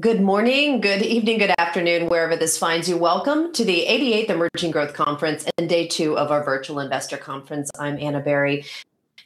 Good morning, good evening, good afternoon, wherever this finds you. Welcome to the 88th Emerging Growth Conference and day two of our virtual investor conference, I'm Anna Berry.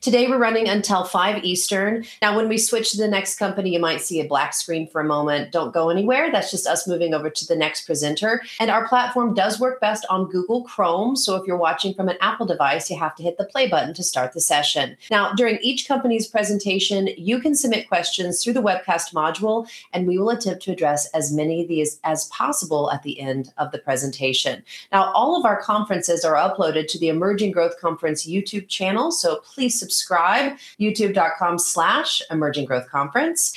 Today we're running until 5:00 P.M. Eastern. Now, when we switch to the next company, you might see a black screen for a moment. Don't go anywhere. That's just us moving over to the next presenter, and our platform does work best on Google Chrome, so if you're watching from an Apple device, you have to hit the play button to start the session. Now, during each company's presentation, you can submit questions through the webcast module, and we will attempt to address as many of these as possible at the end of the presentation. Now, all of our conferences are uploaded to the Emerging Growth Conference YouTube channel, so please subscribe, youtube.com/emerginggrowthconference.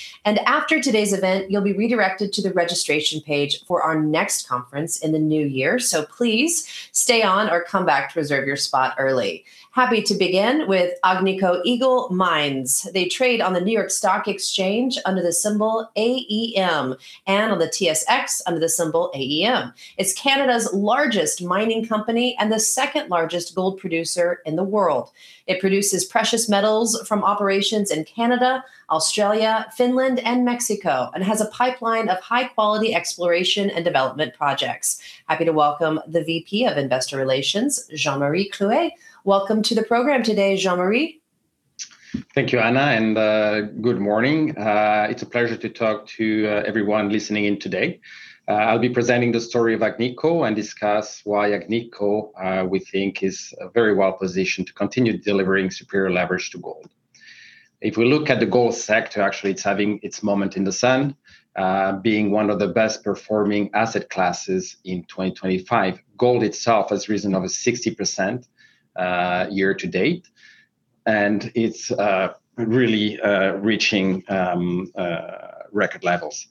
After today's event, you'll be redirected to the registration page for our next conference in the new year. Please stay on or come back to reserve your spot early. Happy to begin with Agnico Eagle Mines. They trade on the New York Stock Exchange under the symbol AEM and on the TSX under the symbol AEM. It's Canada's largest mining company and the second largest gold producer in the world. It produces precious metals from operations in Canada, Australia, Finland, and Mexico, and has a pipeline of high quality exploration and development projects. Happy to welcome the VP of Investor Relations, Jean-Marie Clouet. Welcome to the program today, Jean-Marie. Thank you, Anna, and good morning. It's a pleasure to talk to everyone listening in today. I'll be presenting the story of Agnico and discuss why Agnico we think is very well positioned to continue delivering superior leverage to gold. If we look at the gold sector, actually, it's having its moment in the sun, being one of the best performing asset classes in 2025. Gold itself has risen over 60% year- to-date, and it's really reaching record levels.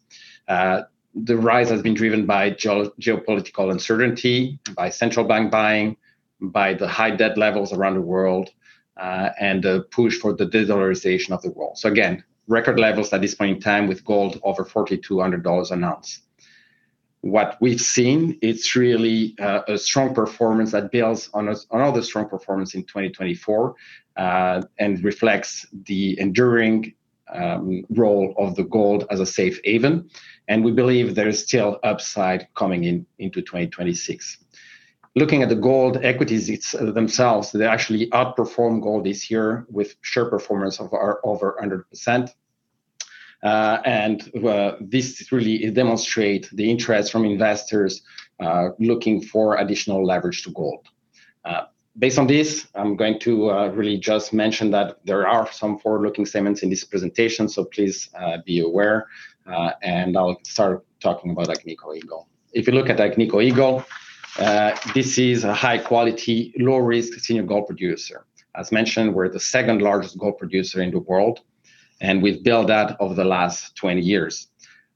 The rise has been driven by geopolitical uncertainty, by central bank buying, by the high debt levels around the world, and the push for the de-dollarization of the world. So again, record levels at this point in time with gold over $4,200 an ounce. What we've seen, it's really a strong performance that builds on all the strong performance in 2024 and reflects the enduring role of gold as a safe haven, and we believe there is still upside coming into 2026. Looking at the gold equities themselves, they actually outperform gold this year with share performance of over 100%, and this really demonstrates the interest from investors looking for additional leverage to gold. Based on this, I'm going to really just mention that there are some forward looking statements in this presentation. So please be aware, and I'll start talking about Agnico Eagle. If you look at Agnico Eagle, this is a high quality, low risk, senior gold producer. As mentioned, we're the second largest gold producer in the world, and we've built that over the last 20 years.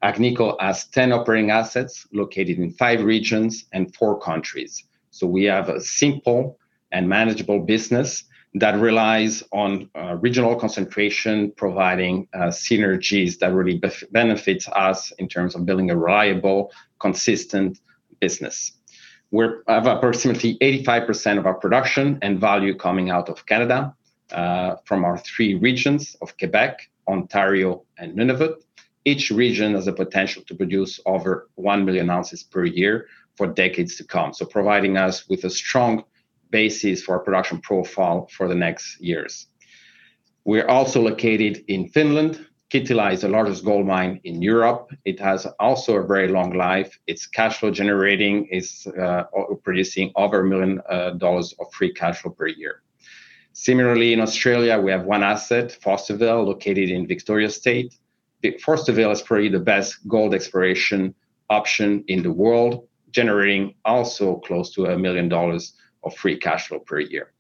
Agnico has 10 operating assets located in five regions and four countries. We have a simple and manageable business that relies on regional concentration, providing synergies that really benefit us in terms of building a reliable, consistent business. We have approximately 85% of our production and value coming out of Canada from our three regions of Quebec, Ontario, and Nunavut. Each region has the potential to produce over one million ounces per year for decades to come, so providing us with a strong basis for our production profile for the next years. We're also located in Finland. Kittilä is the largest gold mine in Europe. It has also a very long life. Its cash flow generating is producing over $1 million of free cash flow per year. Similarly, in Australia, we have one asset, Fosterville, located in Victoria State. Fosterville is probably the best gold exploration option in the world, generating also close to $1 million of free cash flow per year.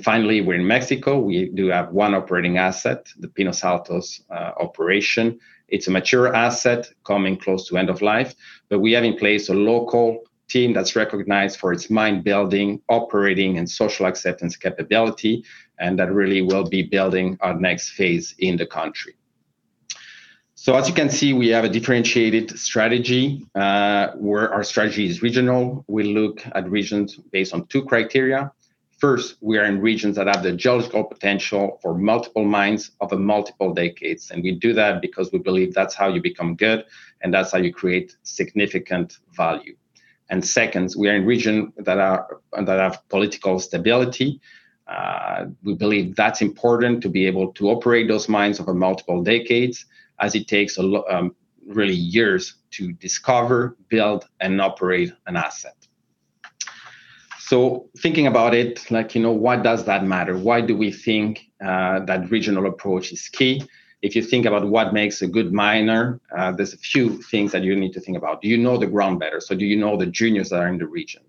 Finally, we're in Mexico. We do have one operating asset, the Pinos Altos operation. It's a mature asset coming close to end of life, but we have in place a local team that's recognized for its mine building, operating, and social acceptance capability, and that really will be building our next phase in the country. As you can see, we have a differentiated strategy. Our strategy is regional. We look at regions based on two criteria. First, we are in regions that have the geological potential for multiple mines over multiple decades. We do that because we believe that's how you become good, and that's how you create significant value. Second, we are in regions that have political stability. We believe that's important to be able to operate those mines over multiple decades, as it takes really years to discover, build, and operate an asset. So thinking about it, like, you know, why does that matter? Why do we think that regional approach is key? If you think about what makes a good miner, there's a few things that you need to think about. Do you know the ground better? So do you know the juniors that are in the region?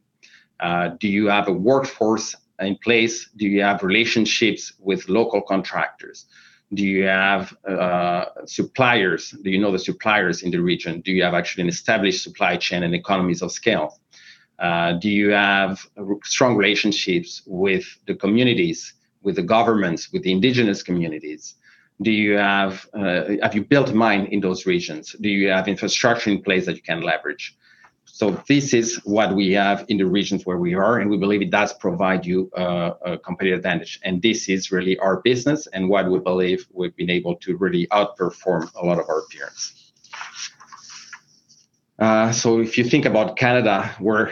Do you have a workforce in place? Do you have relationships with local contractors? Do you have suppliers? Do you know the suppliers in the region? Do you have actually an established supply chain and economies of scale? Do you have strong relationships with the communities, with the governments, with the Indigenous communities? Have you built a mine in those regions? Do you have infrastructure in place that you can leverage? So this is what we have in the regions where we are, and we believe it does provide you a competitive advantage. And this is really our business and what we believe we've been able to really outperform a lot of our peers. So if you think about Canada, we're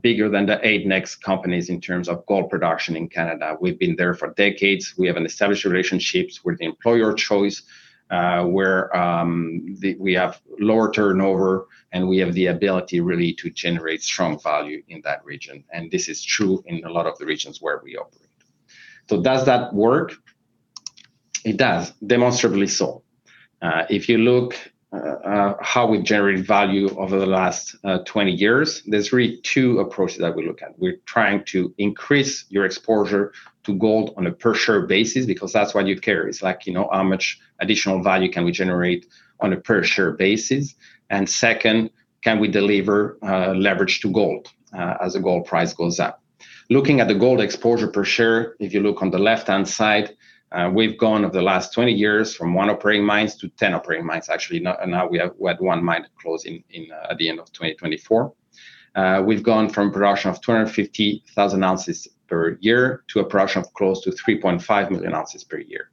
bigger than the next eight companies in terms of gold production in Canada. We've been there for decades. We have an established relationship with the employer of choice. We have lower turnover, and we have the ability really to generate strong value in that region. And this is true in a lot of the regions where we operate. So does that work? It does, demonstrably so. If you look at how we've generated value over the last 20 years, there's really two approaches that we look at. We're trying to increase your exposure to gold on a per share basis because that's what you carry. It's like how much additional value can we generate on a per share basis? And second, can we deliver leverage to gold as the gold price goes up? Looking at the gold exposure per share, if you look on the left hand side, we've gone over the last 20 years from one operating mine to 10 operating mines, actually. Now we had one mine close at the end of 2024. We've gone from a production of 250,000 ounces per year to a production of close to 3.5 million ounces per year.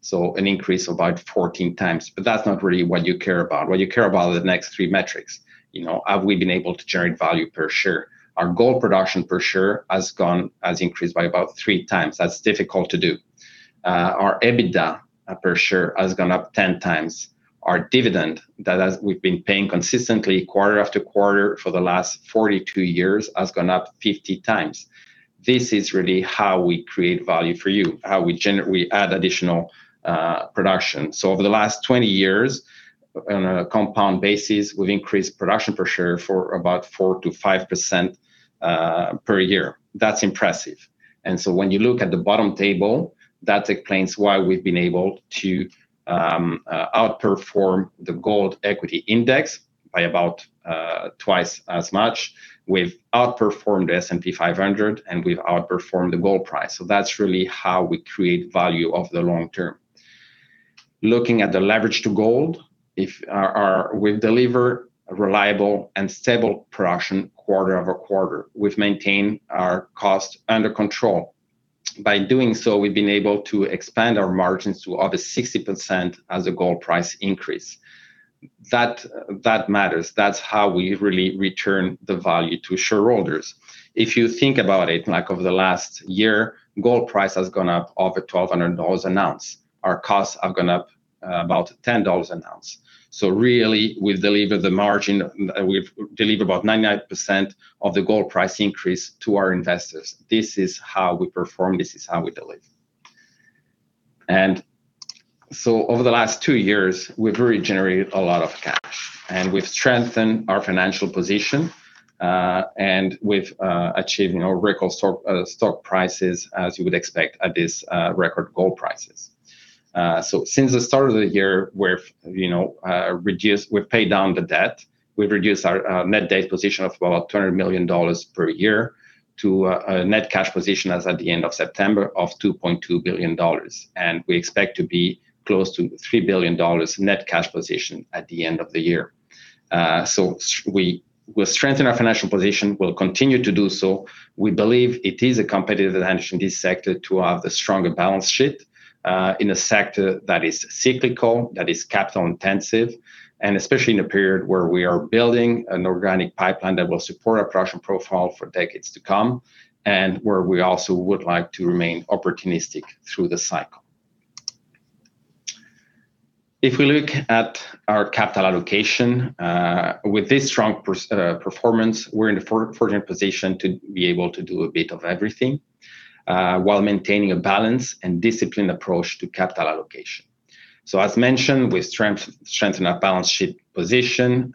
So an increase of about 14 times. But that's not really what you care about. What you care about are the next three metrics. You know, have we been able to generate value per share? Our gold production per share has increased by about three times. That's difficult to do. Our EBITDA per share has gone up 10 times. Our dividend that we've been paying consistently quarter after quarter for the last 42 years has gone up 50 times. This is really how we create value for you, how we add additional production. So over the last 20 years, on a compound basis, we've increased production per share for about 4%-5% per year. That's impressive. And so when you look at the bottom table, that explains why we've been able to outperform the gold equity index by about twice as much. We've outperformed the S&P 500, and we've outperformed the gold price. So that's really how we create value over the long term. Looking at the leverage to gold, we've delivered reliable and stable production quarter-over-quarter. We've maintained our cost under control. By doing so, we've been able to expand our margins to over 60% as the gold price increases. That matters. That's how we really return the value to shareholders. If you think about it, like over the last year, gold price has gone up over $1,200 an ounce. Our costs have gone up about $10 an ounce, so really, we've delivered the margin. We've delivered about 99% of the gold price increase to our investors. This is how we perform, this is how we deliver. So over the last two years, we've really generated a lot of cash, and we've strengthened our financial position, and we've achieved record stock prices, as you would expect at these record gold prices, so since the start of the year, we've paid down the debt. We've reduced our net debt position of about $200 million per year to a net cash position as at the end of September of $2.2 billion, and we expect to be close to $3 billion net cash position at the end of the year, so we will strengthen our financial position. We'll continue to do so. We believe it is a competitive advantage in this sector to have the stronger balance sheet in a sector that is cyclical, that is capital intensive, and especially in a period where we are building an organic pipeline that will support our production profile for decades to come and where we also would like to remain opportunistic through the cycle. If we look at our capital allocation, with this strong performance, we're in a fortunate position to be able to do a bit of everything while maintaining a balanced and disciplined approach to capital allocation. As mentioned, we've strengthened our balance sheet position,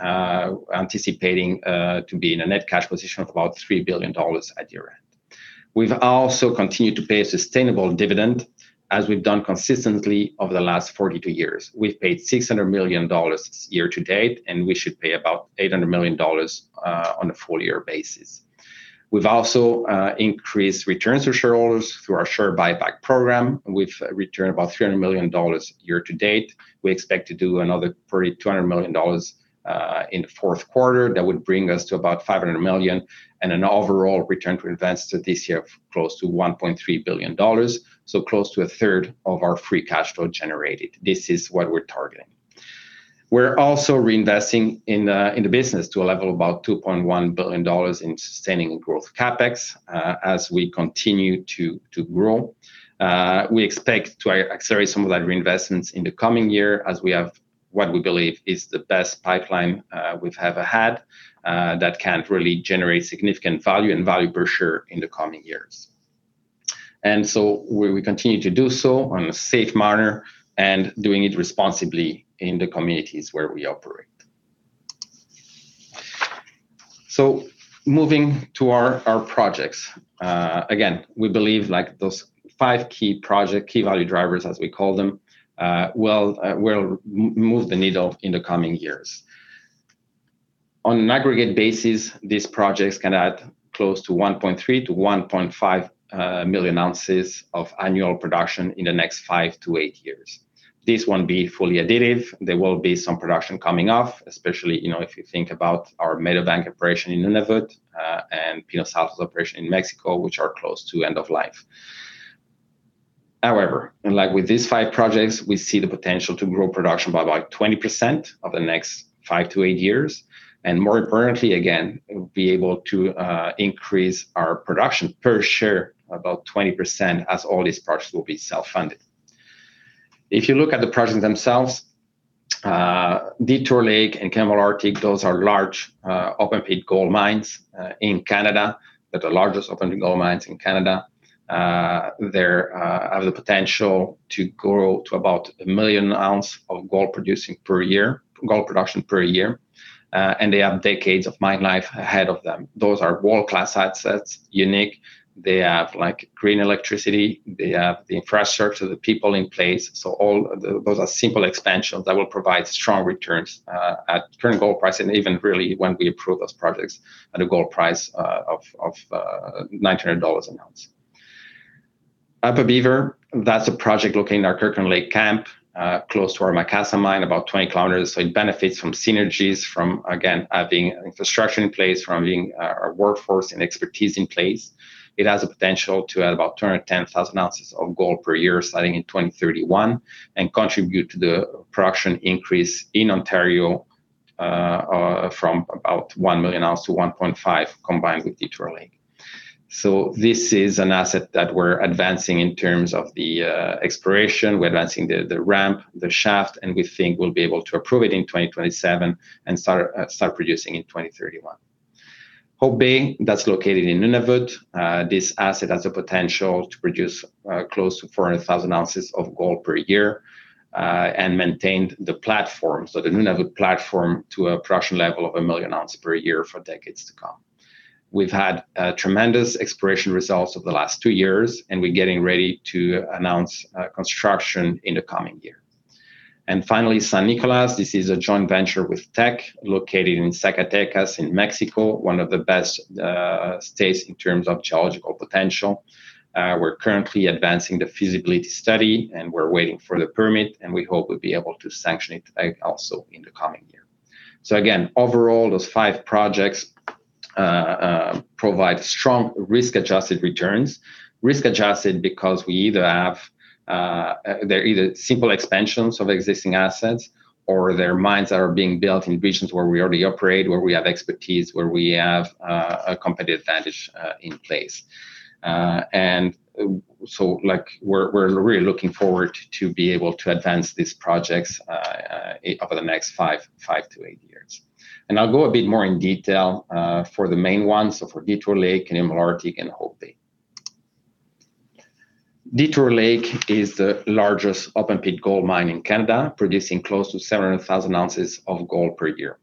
anticipating to be in a net cash position of about $3 billion at year end. We've also continued to pay a sustainable dividend, as we've done consistently over the last 42 years. We've paid $600 million year-to-date, and we should pay about $800 million on a full year basis. We've also increased returns for shareholders through our share buyback program. We've returned about $300 million year-to-date. We expect to do another $200 million in the fourth quarter. That would bring us to about $500 million, and an overall return to investors this year of close to $1.3 billion, so close to a third of our free cash flow generated. This is what we're targeting. We're also reinvesting in the business to a level of about $2.1 billion in sustaining growth CapEx as we continue to grow. We expect to accelerate some of that reinvestments in the coming year as we have what we believe is the best pipeline we've ever had that can really generate significant value and value per share in the coming years, and so we continue to do so in a safe manner and doing it responsibly in the communities where we operate. So moving to our projects, again, we believe those five key projects, key value drivers, as we call them, will move the needle in the coming years. On an aggregate basis, these projects can add close to 1.3-1.5 million ounces of annual production in the next five to eight years. This won't be fully additive. There will be some production coming off, especially if you think about our Meadowbank operation in Nunavut and Pinos Altos operation in Mexico, which are close to end of life. However, like with these five projects, we see the potential to grow production by about 20% over the next five to eight years. And more importantly, again, we'll be able to increase our production per share about 20% as all these projects will be self funded. If you look at the projects themselves, Detour Lake and Canadian Malartic, those are the largest open-pit gold mines in Canada. They have the potential to grow to about 1 million ounces of gold producing per year, gold production per year, and they have decades of mine life ahead of them. Those are world-class assets, unique. They have green electricity. They have the infrastructure, the people in place. So those are simple expansions that will provide strong returns at current gold price and even really when we approve those projects at a gold price of $900 an ounce. Upper Beaver, that's a project located in our Kirkland Lake camp close to our Macassa mine, about 20 km. So it benefits from synergies, from, again, having infrastructure in place, from having our workforce and expertise in place. It has the potential to add about 210,000 ounces of gold per year starting in 2031 and contribute to the production increase in Ontario from about 1 million ounces to 1.5 combined with Detour Lake. This is an asset that we're advancing in terms of the exploration. We're advancing the ramp, the shaft, and we think we'll be able to approve it in 2027 and start producing in 2031. Hope Bay, that's located in Nunavut. This asset has the potential to produce close to 400,000 ounces of gold per year and maintain the platform, so the Nunavut platform, to a production level of 1 million ounces per year for decades to come. We've had tremendous exploration results over the last two years, and we're getting ready to announce construction in the coming year. Finally, San Nicolas. This is a joint venture with Teck located in Zacatecas in Mexico, one of the best states in terms of geological potential. We're currently advancing the feasibility study, and we're waiting for the permit, and we hope we'll be able to sanction it also in the coming year. So again, overall, those five projects provide strong risk-adjusted returns. Risk-adjusted because we either have simple expansions of existing assets or they're mines that are being built in regions where we already operate, have expertise, and have a competitive advantage in place, and so we're really looking forward to be able to advance these projects over the next five to eight years, and I'll go a bit more in detail for the main ones, so for Detour Lake, Canadian Malartic, and Hope Bay. Detour Lake is the largest open pit gold mine in Canada, producing close to 700,000 ounces of gold per year.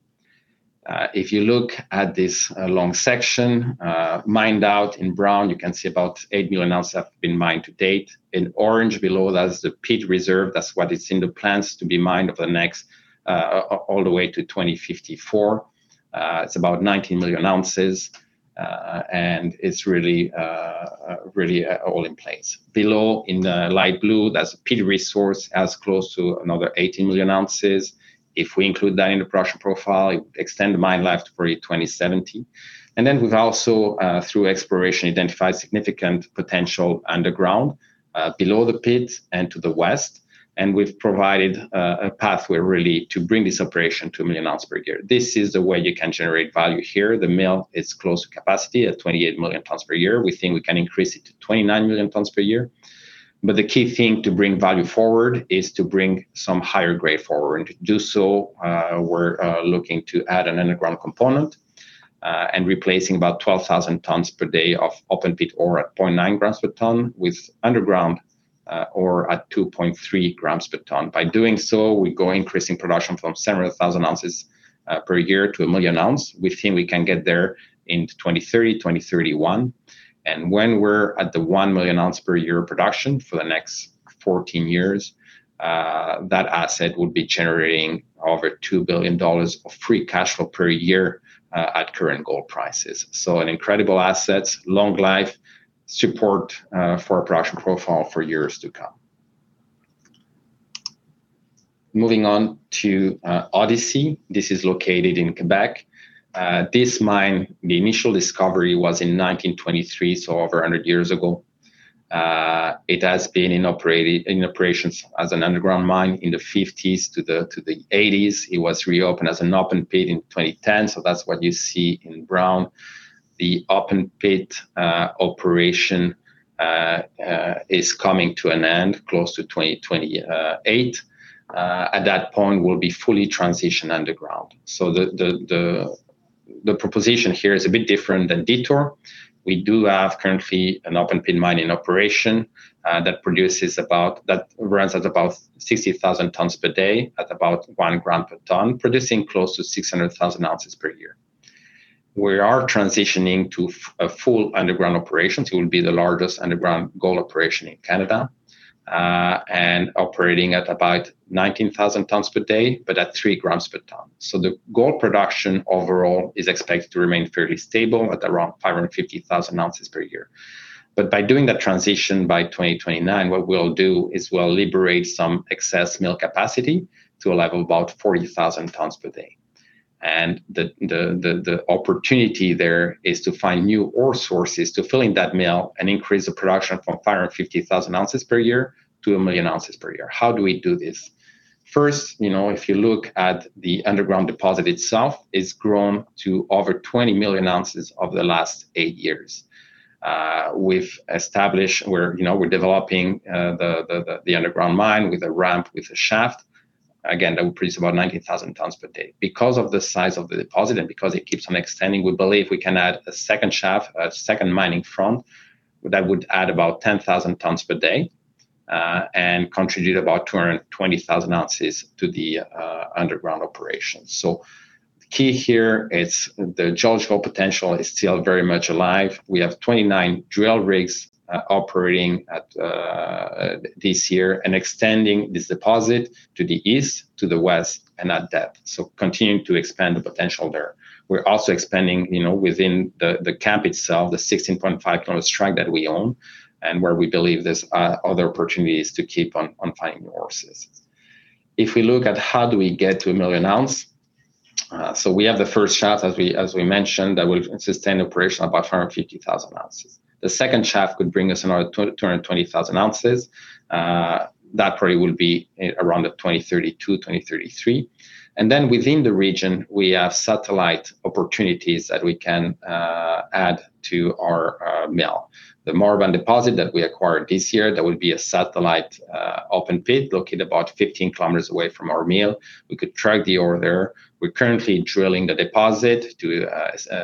If you look at this long section, mined out in brown, you can see about 8 million ounces have been mined to date. In orange below, that's the pit reserve. That's what is in the plans to be mined over the next all the way to 2054. It's about 19 million ounces, and it's really all in place. Below, in light blue, that's a pit resource as close to another 18 million ounces. If we include that in the production profile, it would extend the mine life to 2070. And then we've also, through exploration, identified significant potential underground below the pit and to the west. And we've provided a pathway really to bring this operation to 1 million ounces per year. This is the way you can generate value here. The mill is close to capacity at 28 million tonnes per year. We think we can increase it to 29 million tonnes per year. But the key thing to bring value forward is to bring some higher grade forward. And to do so, we're looking to add an underground component and replacing about 12,000 tonnes per day of open pit ore at 0.9 grams per tonne with underground ore at 2.3 grams per tonne. By doing so, we go increasing production from 700,000 ounces per year to 1 million ounces. We think we can get there in 2030, 2031. And when we're at the 1 million ounce per year production for the next 14 years, that asset would be generating over $2 billion of free cash flow per year at current gold prices. So an incredible asset, long life, support for our production profile for years to come. Moving on to Odyssey. This is located in Quebec. This mine, the initial discovery was in 1923, so over 100 years ago. It has been in operations as an underground mine in the 1950s to the 1980s. It was reopened as an open pit in 2010, so that's what you see in brown. The open pit operation is coming to an end close to 2028. At that point, we'll be fully transitioned underground, so the proposition here is a bit different than Detour. We do have currently an open pit mine in operation that runs at about 60,000 tonnes per day at about one gram per tonne, producing close to 600,000 ounces per year. We are transitioning to a full underground operation. It will be the largest underground gold operation in Canada and operating at about 19,000 tonnes per day, but at three grams per tonne. So the gold production overall is expected to remain fairly stable at around 550,000 ounces per year. But by doing that transition by 2029, what we'll do is we'll liberate some excess mill capacity to a level of about 40,000 tonnes per day. And the opportunity there is to find new ore sources to fill in that mill and increase the production from 550,000 ounces per year to 1 million ounces per year. How do we do this? First, if you look at the underground deposit itself, it's grown to over 20 million ounces over the last eight years. We've established, we're developing the underground mine with a ramp with a shaft. Again, that will produce about 19,000 tonnes per day. Because of the size of the deposit and because it keeps on extending, we believe we can add a second shaft, a second mining front that would add about 10,000 tonnes per day and contribute about 220,000 ounces to the underground operation. So the key here is the geological potential is still very much alive. We have 29 drill rigs operating this year and extending this deposit to the east, to the west, and at depth. So continuing to expand the potential there. We're also expanding within the camp itself, the 16.5 km strike that we own, and where we believe there's other opportunities to keep on finding new ore sources. If we look at how do we get to 1 million ounce, so we have the first shaft, as we mentioned, that will sustain operation about 550,000 ounces. The second shaft could bring us another 220,000 ounces. That probably will be around 2032, 2033. And then within the region, we have satellite opportunities that we can add to our mill. The Marban deposit that we acquired this year, that would be a satellite open pit located about 15 km away from our mill. We could truck the ore there. We're currently drilling the deposit to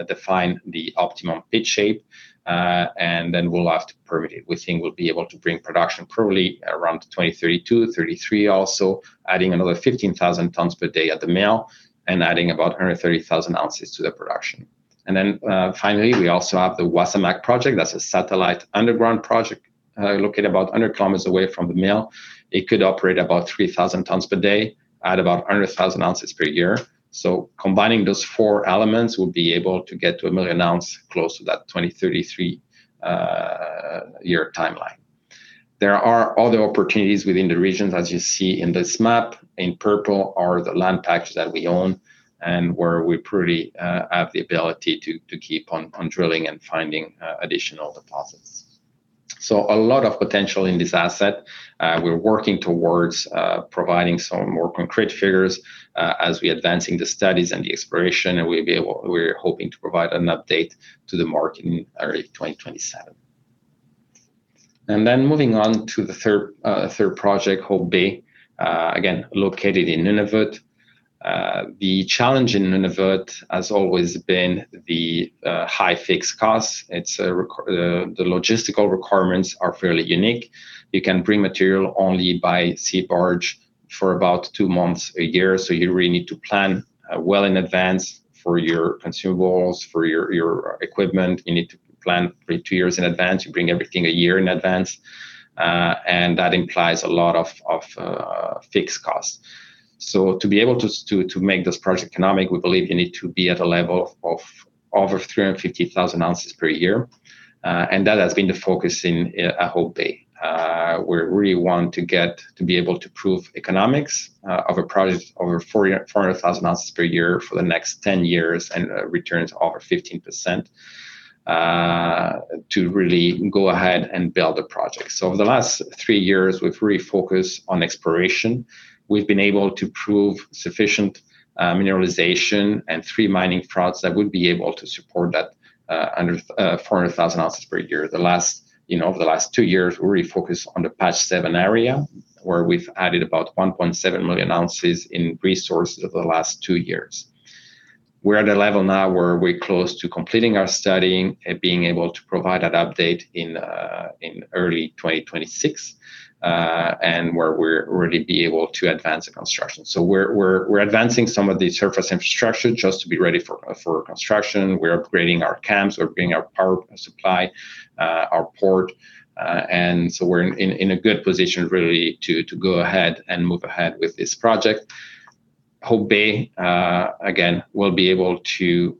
define the optimum pit shape, and then we'll have to permit it. We think we'll be able to bring production probably around 2032, 2033 also, adding another 15,000 tonnes per day at the mill and adding about 130,000 ounces to the production. And then finally, we also have the Wasamac project. That's a satellite underground project located about 100 km away from the mill. It could operate about 3,000 tonnes per day at about 100,000 ounces per year. So combining those four elements, we'll be able to get to 1 million ounces close to that 2033 year timeline. There are other opportunities within the regions, as you see in this map. In purple are the land patches that we own and where we probably have the ability to keep on drilling and finding additional deposits. So a lot of potential in this asset. We're working towards providing some more concrete figures as we're advancing the studies and the exploration, and we're hoping to provide an update to the market in early 2027. And then moving on to the third project, Hope Bay, again, located in Nunavut. The challenge in Nunavut, as always, has been the high fixed costs. The logistical requirements are fairly unique. You can bring material only by sea barge for about two months a year. You really need to plan well in advance for your consumables, for your equipment. You need to plan for two years in advance. You bring everything a year in advance, and that implies a lot of fixed costs. So to be able to make this project economic, we believe you need to be at a level of over 350,000 ounces per year. And that has been the focus in Hope Bay. We really want to be able to prove economics of a project over 400,000 ounces per year for the next 10 years and returns over 15% to really go ahead and build the project. So over the last three years, we've really focused on exploration. We've been able to prove sufficient mineralization and three mining fronts that would be able to support that under 400,000 ounces per year. Over the last two years, we really focused on the Patch 7 area where we've added about 1.7 million ounces in resources over the last two years. We're at a level now where we're close to completing our study and being able to provide that update in early 2026 and where we'll really be able to advance the construction. We're advancing some of the surface infrastructure just to be ready for construction. We're upgrading our camps. We're upgrading our power supply, our port. We're in a good position really to go ahead and move ahead with this project. Hope Bay, again, will be able to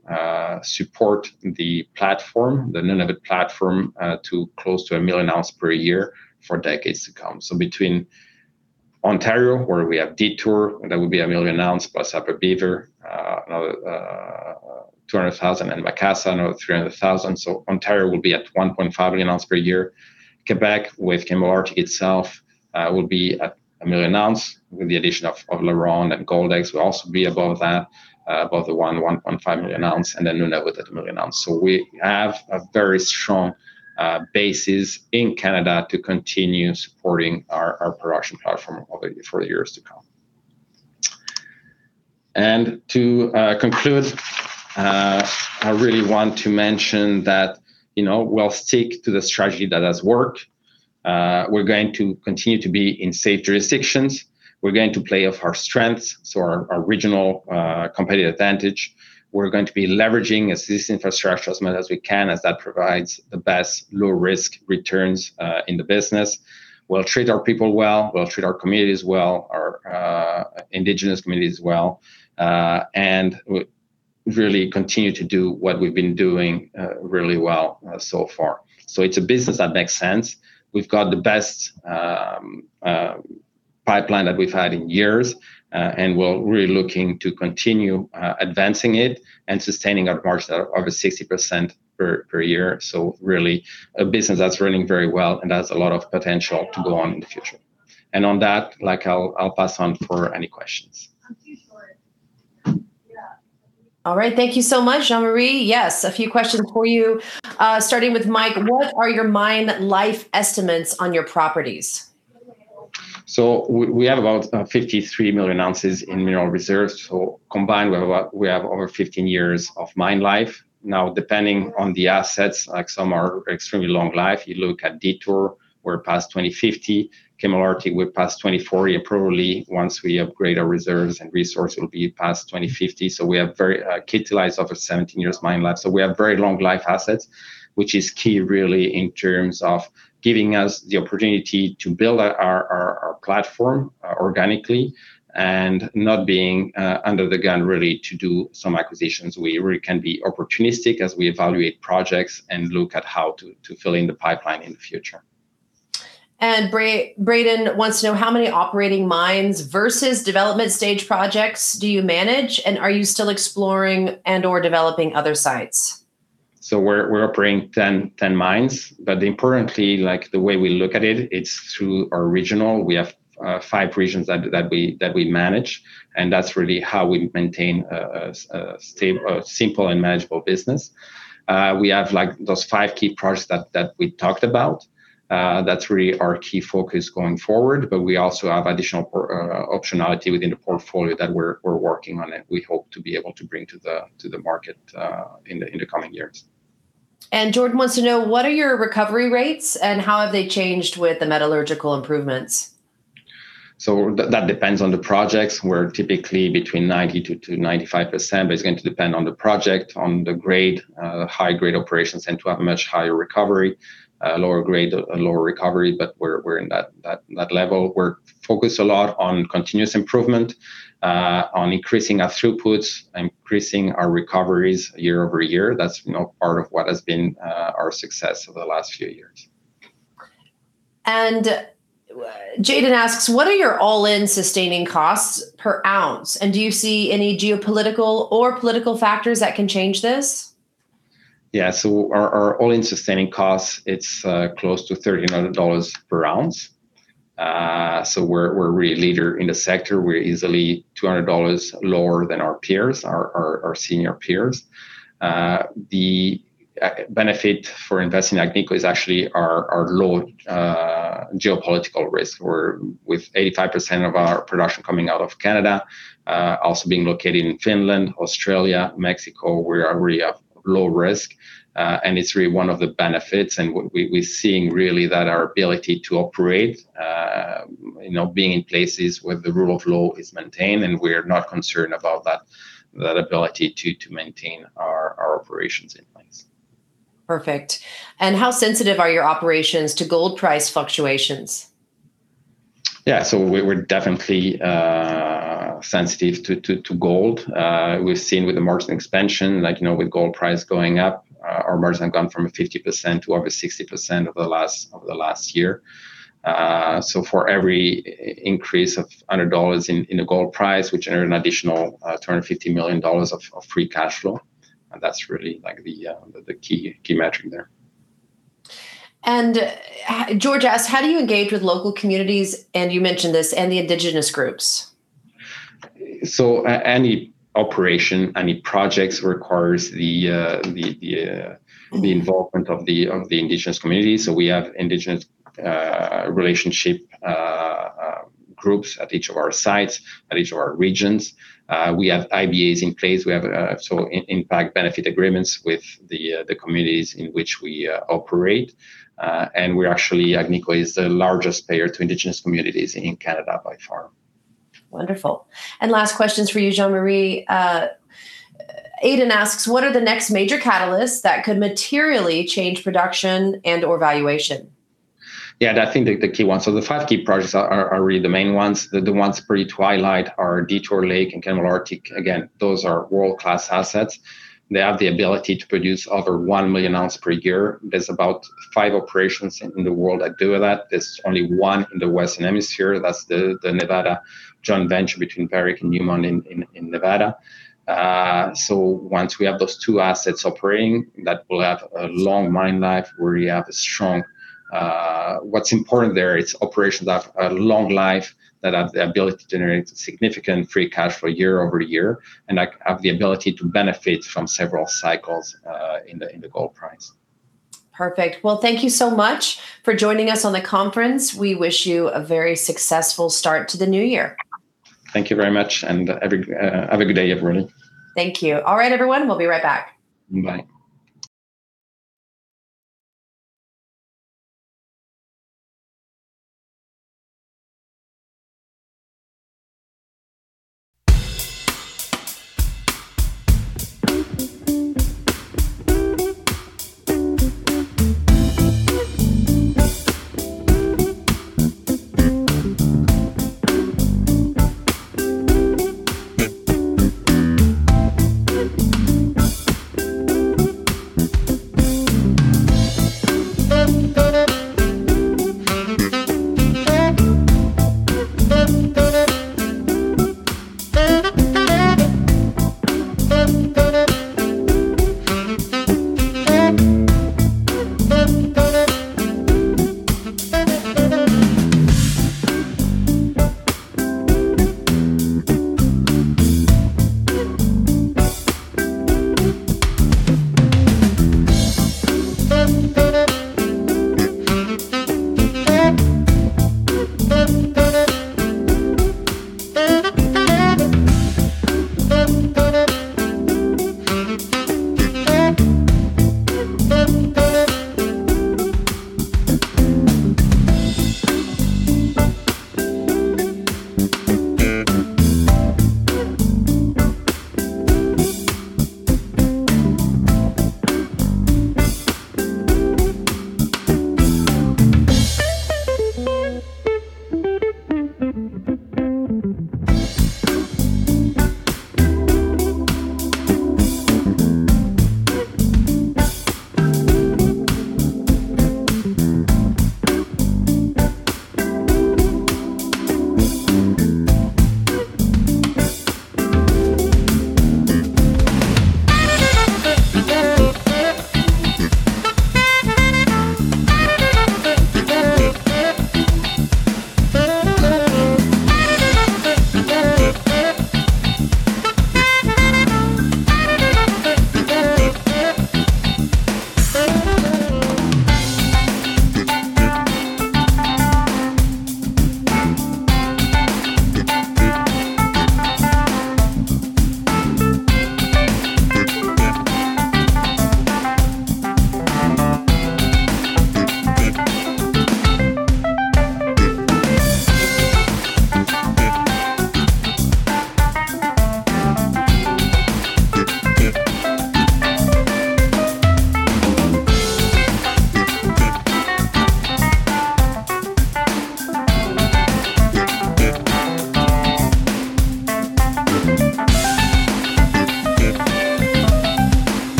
support the Nunavut platform, close to 1 million ounces per year for decades to come. Between Ontario, where we have Detour, that will be 1 million ounces plus Upper Beaver, another 200,000, and Macassa, another 300,000. Ontario will be at 1.5 million ounces per year. Quebec with Canadian Malartic itself will be at 1 million ounces with the addition of LaRonde and Goldex. We'll also be above that, above the 1.5 million ounces, and then Nunavut at 1 million ounces. We have a very strong basis in Canada to continue supporting our production platform for the years to come. To conclude, I really want to mention that we'll stick to the strategy that has worked. We're going to continue to be in safe jurisdictions. We're going to play off our strengths, so our regional competitive advantage. We're going to be leveraging this infrastructure as much as we can as that provides the best low risk returns in the business. We'll treat our people well. We'll treat our communities well, our indigenous communities well, and really continue to do what we've been doing really well so far. So it's a business that makes sense. We've got the best pipeline that we've had in years, and we're really looking to continue advancing it and sustaining our margin of over 60% per year. So really a business that's running very well and has a lot of potential to go on in the future. And on that, I'll pass on for any questions. All right. Thank you so much, Jean-Marie. Yes, a few questions for you. Starting with Mike, what are your mine life estimates on your properties? So we have about 53 million ounces in mineral reserves. So combined, we have over 15 years of mine life. Now, depending on the assets, like some are extremely long life, you look at Detour, we're past 2050. Canadian Malartic, we're past 2040, and probably once we upgrade our reserves and resources, it'll be past 2050. Kittilä over 17 years mine life. So we have very long life assets, which is key really in terms of giving us the opportunity to build our platform organically and not being under the gun really to do some acquisitions. We really can be opportunistic as we evaluate projects and look at how to fill in the pipeline in the future. Brayden wants to know how many operating mines versus development stage projects do you manage, and are you still exploring and/or developing other sites? We're operating 10 mines, but importantly, the way we look at it, it's through our regionals. We have five regions that we manage, and that's really how we maintain a simple and manageable business. We have those five key projects that we talked about. That's really our key focus going forward, but we also have additional optionality within the portfolio that we're working on, and we hope to be able to bring to the market in the coming years. Jordan wants to know, what are your recovery rates, and how have they changed with the metallurgical improvements? So that depends on the projects. We're typically between 90%-95%, but it's going to depend on the project, on the grade. High grade operations tend to have a much higher recovery, lower grade, lower recovery, but we're in that level. We're focused a lot on continuous improvement, on increasing our throughputs, increasing our recoveries year-over-year. That's part of what has been our success over the last few years. And Jayden asks, What are your all-in sustaining costs per ounce? And do you see any geopolitical or political factors that can change this? Yeah. So our All-in sustaining costs, it's close to $300 per ounce. So we're really a leader in the sector. We're easily $200 lower than our senior peers. The benefit for investing in Agnico is actually our low geopolitical risk. We're with 85% of our production coming out of Canada, also being located in Finland, Australia, Mexico. We are really a low risk, and it's really one of the benefits. And we're seeing really that our ability to operate, being in places where the rule of law is maintained, and we're not concerned about that ability to maintain our operations in place. Perfect. And how sensitive are your operations to gold price fluctuations? Yeah. So we're definitely sensitive to gold. We've seen with the margin expansion, with gold price going up, our margin has gone from 50% to over 60% over the last year. So for every increase of $100 in the gold price, we generate an additional $250 million of free cash flow. And that's really the key metric there. George asks, how do you engage with local communities, and you mentioned this, and the indigenous groups? Any operation, any projects require the involvement of the indigenous community. We have indigenous relationship groups at each of our sites, at each of our regions. We have IBAs in place. We have impact benefit agreements with the communities in which we operate. And we actually, Agnico is the largest payer to Indigenous communities in Canada by far. Wonderful. And last questions for you, Jean-Marie. Aiden asks, what are the next major catalysts that could materially change production and/or valuation? Yeah, I think the key ones. So the five key projects are really the main ones. The ones pertinent to highlight are Detour Lake and Canadian Malartic. Again, those are world-class assets. They have the ability to produce over one million ounces per year. There's about five operations in the world that do that. There's only one in the Western Hemisphere. That's the Nevada Joint Venture between Barrick and Newmont in Nevada. So once we have those two assets operating, that will have a long mine life where you have a strong, what's important there is operations that have a long life that have the ability to generate significant free cash flow year-over-year and have the ability to benefit from several cycles in the gold price. Perfect. Well, thank you so much for joining us on the conference. We wish you a very successful start to the new year. Thank you very much, and have a good day, everyone. Thank you. All right, everyone. We'll be right back. Bye.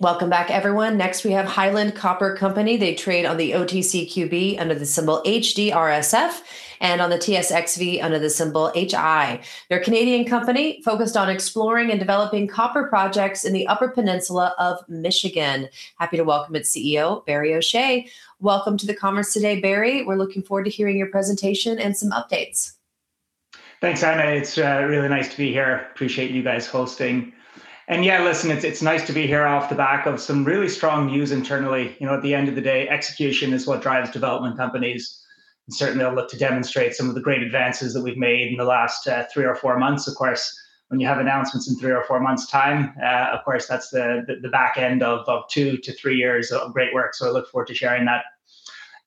Welcome back, everyone. Next, we have Highland Copper Company. They trade on the OTCQB under the symbol HDRSF and on the TSXV under the symbol HI. They're a Canadian company focused on exploring and developing copper projects in the Upper Peninsula of Michigan. Happy to welcome its CEO, Barry O'Shea. Welcome to the conference today, Barry. We're looking forward to hearing your presentation and some updates. Thanks, Anna. It's really nice to be here. Appreciate you guys hosting, and yeah, listen, it's nice to be here off the back of some really strong news internally. At the end of the day, execution is what drives development companies, and certainly, I'll look to demonstrate some of the great advances that we've made in the last three or four months. Of course, when you have announcements in three or four months' time, of course, that's the back end of two to three years of great work, so I look forward to sharing that.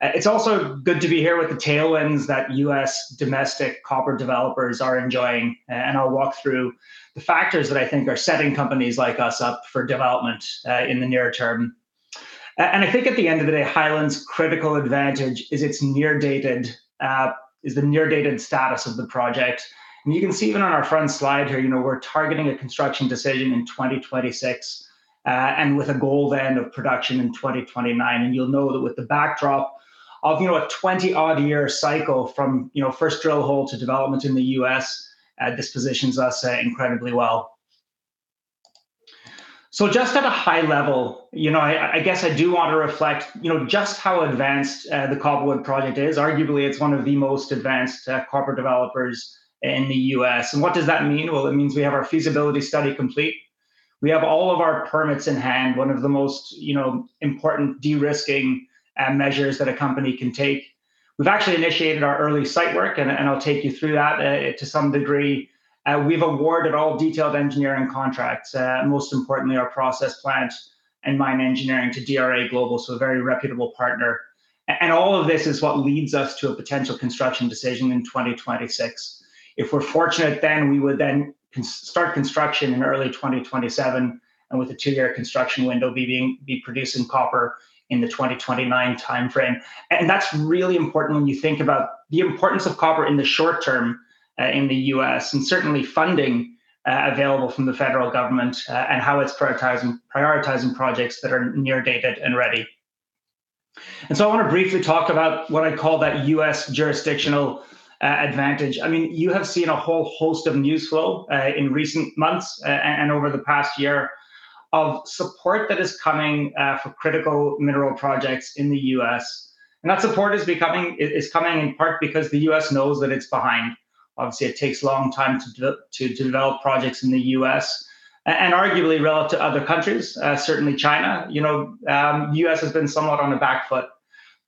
It's also good to be here with the tailwinds that U.S. domestic copper developers are enjoying, and I'll walk through the factors that I think are setting companies like us up for development in the near term. I think at the end of the day, Highland's critical advantage is its near dated status of the project. You can see even on our front slide here, we're targeting a construction decision in 2026 and with a goal then of production in 2029. You'll know that with the backdrop of a 20-odd year cycle from first drill hole to development in the U.S., this positions us incredibly well. Just at a high level, I guess I do want to reflect just how advanced the Copperwood project is. Arguably, it's one of the most advanced copper developers in the U.S. What does that mean? It means we have our feasibility study complete. We have all of our permits in hand, one of the most important de-risking measures that a company can take. We've actually initiated our early site work, and I'll take you through that to some degree. We've awarded all detailed engineering contracts, most importantly, our process plant and mine engineering to DRA Global, so a very reputable partner, and all of this is what leads us to a potential construction decision in 2026. If we're fortunate, then we would then start construction in early 2027 and with a two year construction window, be producing copper in the 2029 timeframe, and that's really important when you think about the importance of copper in the short term in the U.S. and certainly funding available from the federal government and how it's prioritizing projects that are near dated and ready. I want to briefly talk about what I call that U.S. jurisdictional advantage. I mean, you have seen a whole host of news flow in recent months and over the past year of support that is coming for critical mineral projects in the U.S. That support is coming in part because the U.S. knows that it's behind. Obviously, it takes a long time to develop projects in the U.S. and arguably relative to other countries, certainly China. The U.S. has been somewhat on the back foot,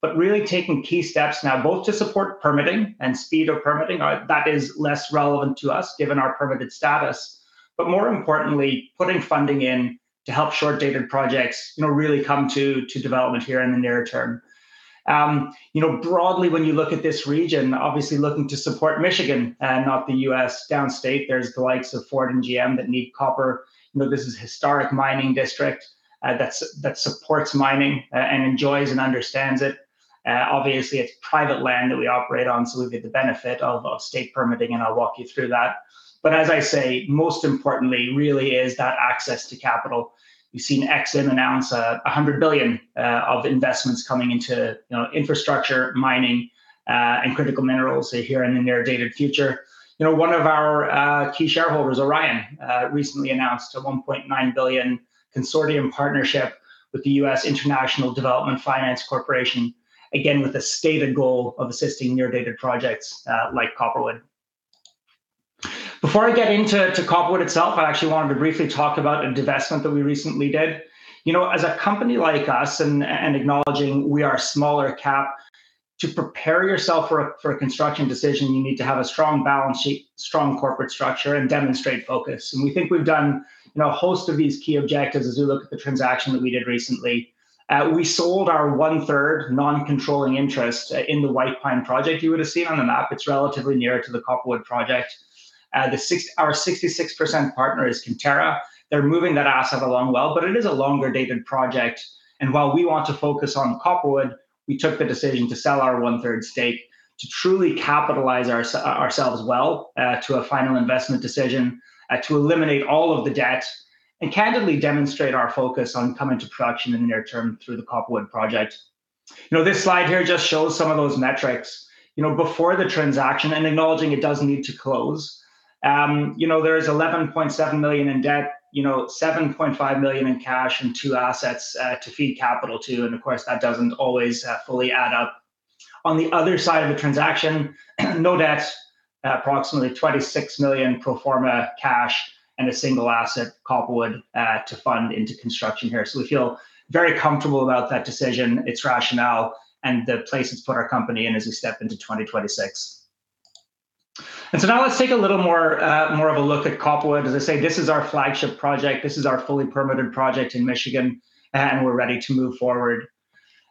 but really taking key steps now, both to support permitting and speed of permitting. That is less relevant to us given our permitted status, but more importantly, putting funding in to help short dated projects really come to development here in the near term. Broadly, when you look at this region, obviously looking to support Michigan and not the U.S. downstate, there's the likes of Ford and GM that need copper. This is a historic mining district that supports mining and enjoys and understands it. Obviously, it's private land that we operate on, so we get the benefit of state permitting, and I'll walk you through that. But as I say, most importantly really is that access to capital. We've seen EXIM announce $100 billion of investments coming into infrastructure, mining, and critical minerals here in the near dated future. One of our key shareholders, Orion, recently announced a $1.9 billion consortium partnership with the U.S. International Development Finance Corporation, again with a stated goal of assisting near dated projects like Copperwood. Before I get into Copperwood itself, I actually wanted to briefly talk about a divestment that we recently did. As a company like us, and acknowledging we are smaller cap, to prepare yourself for a construction decision, you need to have a strong balance sheet, strong corporate structure, and demonstrate focus. We think we've done a host of these key objectives as we look at the transaction that we did recently. We sold our one third non-controlling interest in the White Pine North project you would have seen on the map. It's relatively near to the Copperwood project. Our 66% partner is Kinterra. They're moving that asset along well, but it is a longer dated project. And while we want to focus on Copperwood, we took the decision to sell our one third stake to truly capitalize ourselves well to a final investment decision to eliminate all of the debt and candidly demonstrate our focus on coming to production in the near term through the Copperwood project. This slide here just shows some of those metrics before the transaction and acknowledging it does need to close. There is $11.7 million in debt, $7.5 million in cash, and two assets to feed capital to. Of course, that doesn't always fully add up. On the other side of the transaction, no debt, approximately $26 million pro forma cash and a single asset, Copperwood, to fund into construction here. So we feel very comfortable about that decision, its rationale, and the place it's put our company in as we step into 2026. And so now let's take a little more of a look at Copperwood. As I say, this is our flagship project. This is our fully permitted project in Michigan, and we're ready to move forward.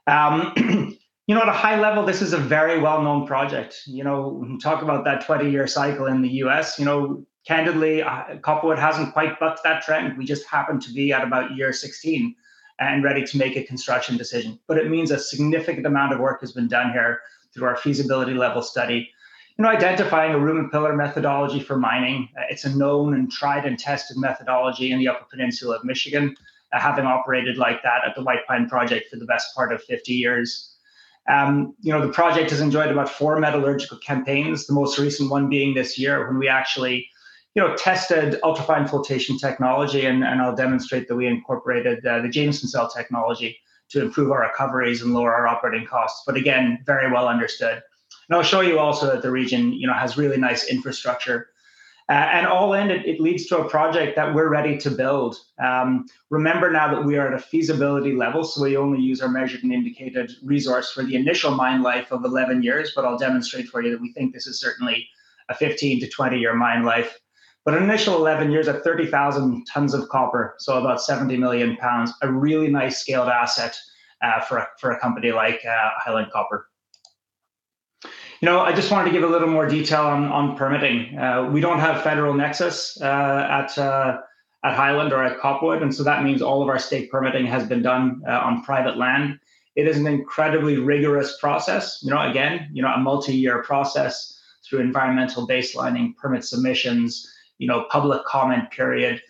At a high level, this is a very well-known project. We talk about that 20-year cycle in the U.S. Candidly, Copperwood hasn't quite bucked that trend. We just happen to be at about year 16 and ready to make a construction decision. But it means a significant amount of work has been done here through our feasibility level study. Identifying a room-and-pillar methodology for mining, it's a known and tried and tested methodology in the Upper Peninsula of Michigan, having operated like that at the White Pine project for the best part of 50 years. The project has enjoyed about four metallurgical campaigns, the most recent one being this year when we actually tested ultrafine flotation technology. And I'll demonstrate that we incorporated the Jameson Cell technology to improve our recoveries and lower our operating costs. But again, very well understood. And I'll show you also that the region has really nice infrastructure. And all in, it leads to a project that we're ready to build. Remember now that we are at a feasibility level, so we only use our measured and indicated resource for the initial mine life of 11 years, but I'll demonstrate for you that we think this is certainly a 15-20-year mine life, but initial 11 years at 30,000 tons of copper, so about 70 million pounds, a really nice scaled asset for a company like Highland Copper. I just wanted to give a little more detail on permitting. We don't have federal nexus at Highland or at Copperwood, and so that means all of our state permitting has been done on private land. It is an incredibly rigorous process. Again, a multi-year process through environmental baselining, permit submissions, public comment period.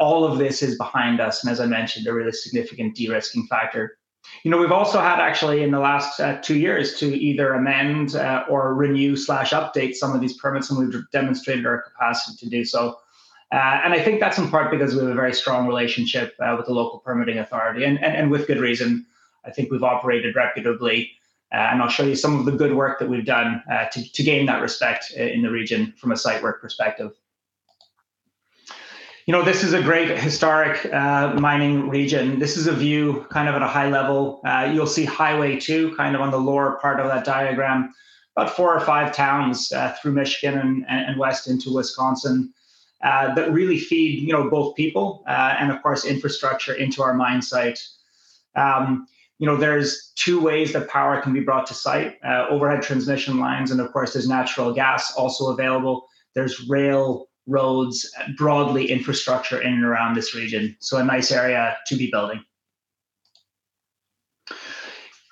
All of this is behind us, and as I mentioned, a really significant de-risking factor. We've also had, actually, in the last two years to either amend or renew/update some of these permits, and we've demonstrated our capacity to do so, and I think that's in part because we have a very strong relationship with the local permitting authority and with good reason. I think we've operated reputably, and I'll show you some of the good work that we've done to gain that respect in the region from a site work perspective. This is a great historic mining region. This is a view kind of at a high level. You'll see Highway 2 kind of on the lower part of that diagram, about four or five towns through Michigan and west into Wisconsin that really feed both people and, of course, infrastructure into our mine site. The are two ways that power can be brought to site overhead transmission lines, and of course, there's natural gas also available. There's rail, roads, broadly infrastructure in and around this region. So a nice area to be building.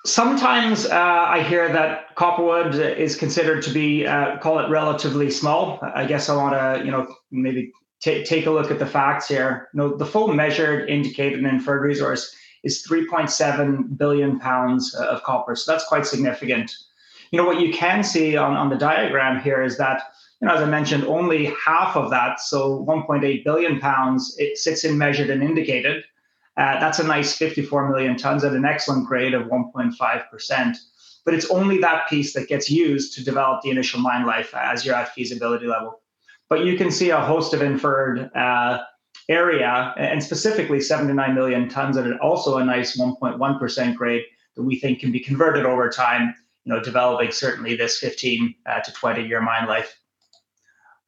Sometimes I hear that Copperwood is considered to be, call it relatively small. I guess I want to maybe take a look at the facts here. The full Measured, Indicated, and Inferred resource is 3.7 billion pounds of copper. So that's quite significant. What you can see on the diagram here is that, as I mentioned, only half of that, so 1.8 billion pounds, it sits in measured and indicated. That's a nice 54 million tons at an excellent grade of 1.5%. But it's only that piece that gets used to develop the initial mine life as you're at feasibility level. But you can see a host of inferred area and specifically 79 million tons at also a nice 1.1% grade that we think can be converted over time, developing certainly this 15-20-year mine life.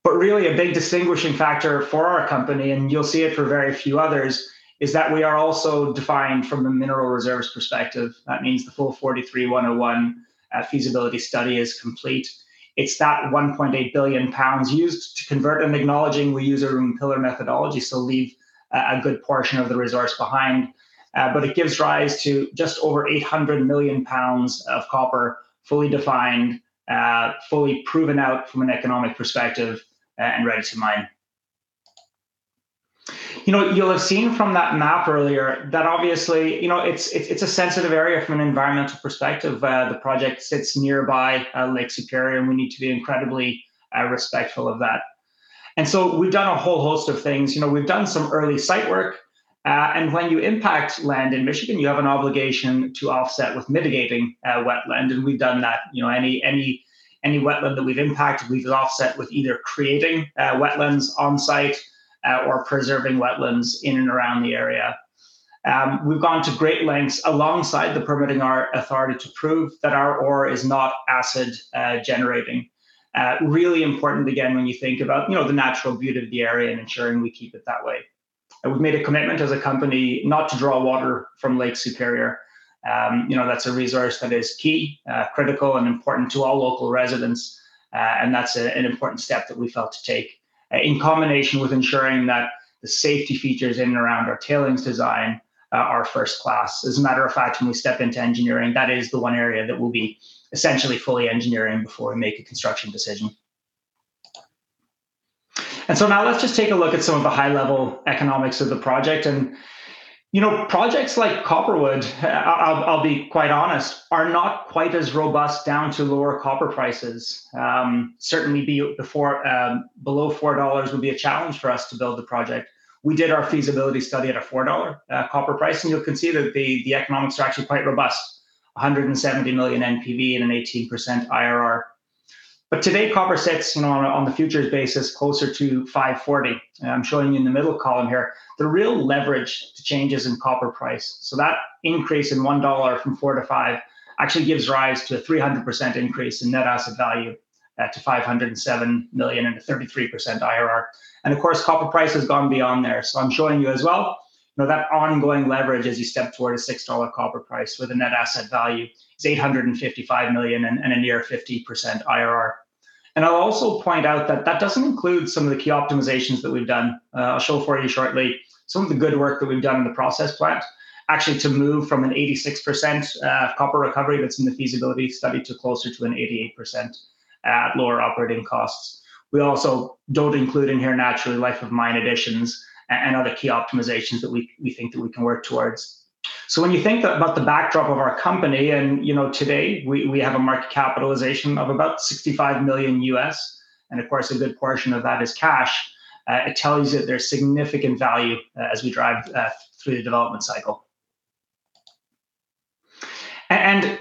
But really a big distinguishing factor for our company, and you'll see it for very few others, is that we are also defined from the mineral reserves perspective. That means the full 43-101 feasibility study is complete. It's that 1.8 billion pounds used to convert and acknowledging we use a room-and-pillar methodology, so leave a good portion of the resource behind. But it gives rise to just over 800 million pounds of copper fully defined, fully proven out from an economic perspective and ready to mine. You'll have seen from that map earlier that obviously it's a sensitive area from an environmental perspective. The project sits nearby Lake Superior, and we need to be incredibly respectful of that, and so we've done a whole host of things. We've done some early site work, and when you impact land in Michigan, you have an obligation to offset with mitigating wetland, and we've done that. Any wetland that we've impacted, we've offset with either creating wetlands onsite or preserving wetlands in and around the area. We've gone to great lengths alongside the permitting authority to prove that our ore is not acid-generating. Really important, again, when you think about the natural beauty of the area and ensuring we keep it that way. We've made a commitment as a company not to draw water from Lake Superior. That's a resource that is key, critical, and important to all local residents. That's an important step that we felt to take in combination with ensuring that the safety features in and around our tailings design are first class. As a matter of fact, when we step into engineering, that is the one area that we'll be essentially fully engineering before we make a construction decision. So now let's just take a look at some of the high level economics of the project. Projects like Copperwood, I'll be quite honest, are not quite as robust down to lower copper prices. Certainly, below $4 would be a challenge for us to build the project. We did our feasibility study at a $4 copper price, and you can see that the economics are actually quite robust, $170 million NPV and an 18% IRR. Today, copper sits on a futures basis closer to $5.40. I'm showing you in the middle column here the real leverage to changes in copper price. That increase in $1 from $4 to $5 actually gives rise to a 300% increase in net asset value to $507 million and a 33% IRR. Of course, copper price has gone beyond there. I'm showing you as well that ongoing leverage as you step toward a $6 copper price with a net asset value of $855 million and a near 50% IRR. I'll also point out that that doesn't include some of the key optimizations that we've done. I'll show for you shortly some of the good work that we've done in the process plant, actually to move from an 86% copper recovery that's in the feasibility study to closer to an 88% at lower operating costs. We also don't include in here naturally life of mine additions and other key optimizations that we think that we can work towards, so when you think about the backdrop of our company, and today we have a market capitalization of about $65 million, and of course, a good portion of that is cash, it tells you that there's significant value as we drive through the development cycle, and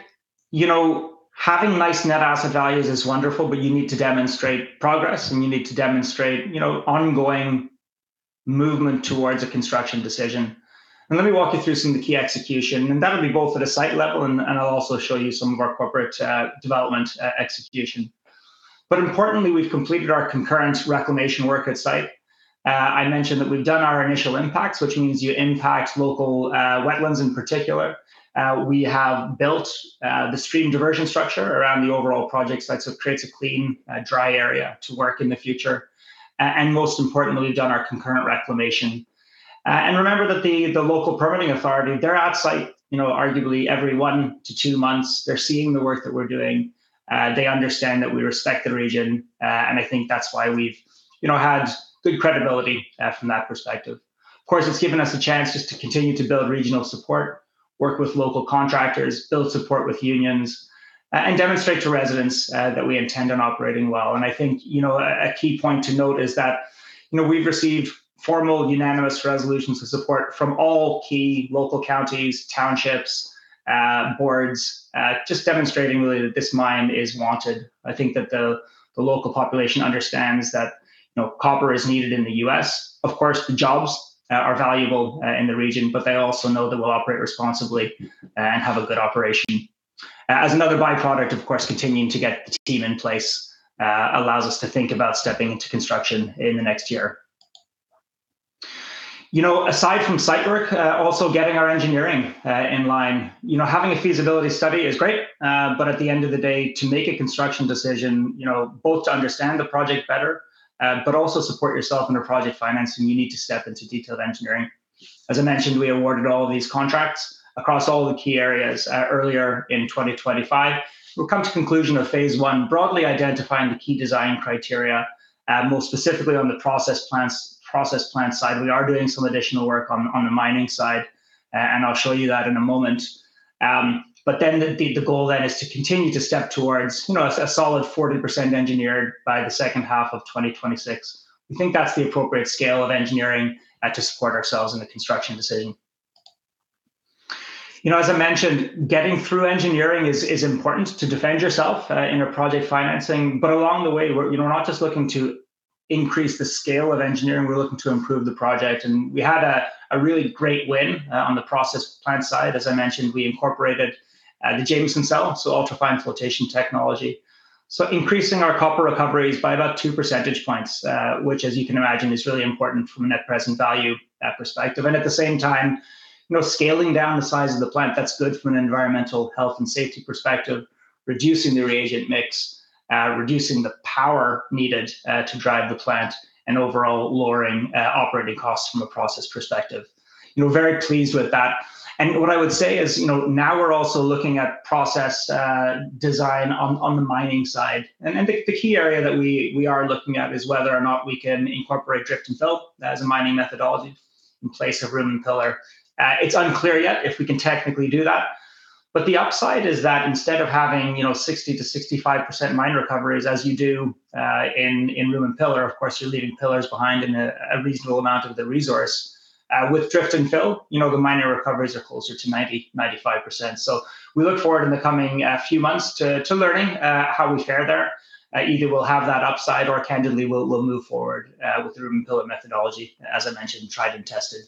having nice net asset values is wonderful, but you need to demonstrate progress, and you need to demonstrate ongoing movement towards a construction decision, and let me walk you through some of the key execution, and that'll be both at a site level, and I'll also show you some of our corporate development execution, but importantly, we've completed our concurrent reclamation work at site. I mentioned that we've done our initial impacts, which means you impact local wetlands in particular. We have built the stream diversion structure around the overall project site, so it creates a clean, dry area to work in the future, and most importantly, we've done our concurrent reclamation, and remember that the local permitting authority, they're at site arguably every one to two months. They're seeing the work that we're doing. They understand that we respect the region, and I think that's why we've had good credibility from that perspective. Of course, it's given us a chance just to continue to build regional support, work with local contractors, build support with unions, and demonstrate to residents that we intend on operating well, and I think a key point to note is that we've received formal unanimous resolutions of support from all key local counties, townships, boards, just demonstrating really that this mine is wanted. I think that the local population understands that copper is needed in the U.S. Of course, the jobs are valuable in the region, but they also know that we'll operate responsibly and have a good operation. As another byproduct, of course, continuing to get the team in place allows us to think about stepping into construction in the next year. Aside from site work, also getting our engineering in line. Having a feasibility study is great, but at the end of the day, to make a construction decision, both to understand the project better, but also support yourself under project financing, you need to step into detailed engineering. As I mentioned, we awarded all of these contracts across all the key areas earlier in 2025. We'll come to conclusion of phase I, broadly identifying the key design criteria, most specifically on the process plant side. We are doing some additional work on the mining side, and I'll show you that in a moment. But then the goal then is to continue to step towards a solid 40% engineered by the second half of 2026. We think that's the appropriate scale of engineering to support ourselves in the construction decision. As I mentioned, getting through engineering is important to defend yourself in a project financing. But along the way, we're not just looking to increase the scale of engineering. We're looking to improve the project. And we had a really great win on the process plant side. As I mentioned, we incorporated the Jameson Cell, so ultrafine flotation technology. So increasing our copper recoveries by about two percentage points, which, as you can imagine, is really important from a net present value perspective. And at the same time, scaling down the size of the plant, that's good from an environmental health and safety perspective, reducing the reagent mix, reducing the power needed to drive the plant, and overall lowering operating costs from a process perspective. Very pleased with that. And what I would say is now we're also looking at process design on the mining side. And the key area that we are looking at is whether or not we can incorporate drift and fill as a mining methodology in place of room-and-pillar. It's unclear yet if we can technically do that. But the upside is that instead of having 60%-65% mine recoveries, as you do in room-and-pillar, of course, you're leaving pillars behind in a reasonable amount of the resource. With drift and fill, the mining recoveries are closer to 90%-95%. We look forward in the coming few months to learning how we fare there. Either we'll have that upside or candidly, we'll move forward with the room-and-pillar methodology, as I mentioned, tried and tested.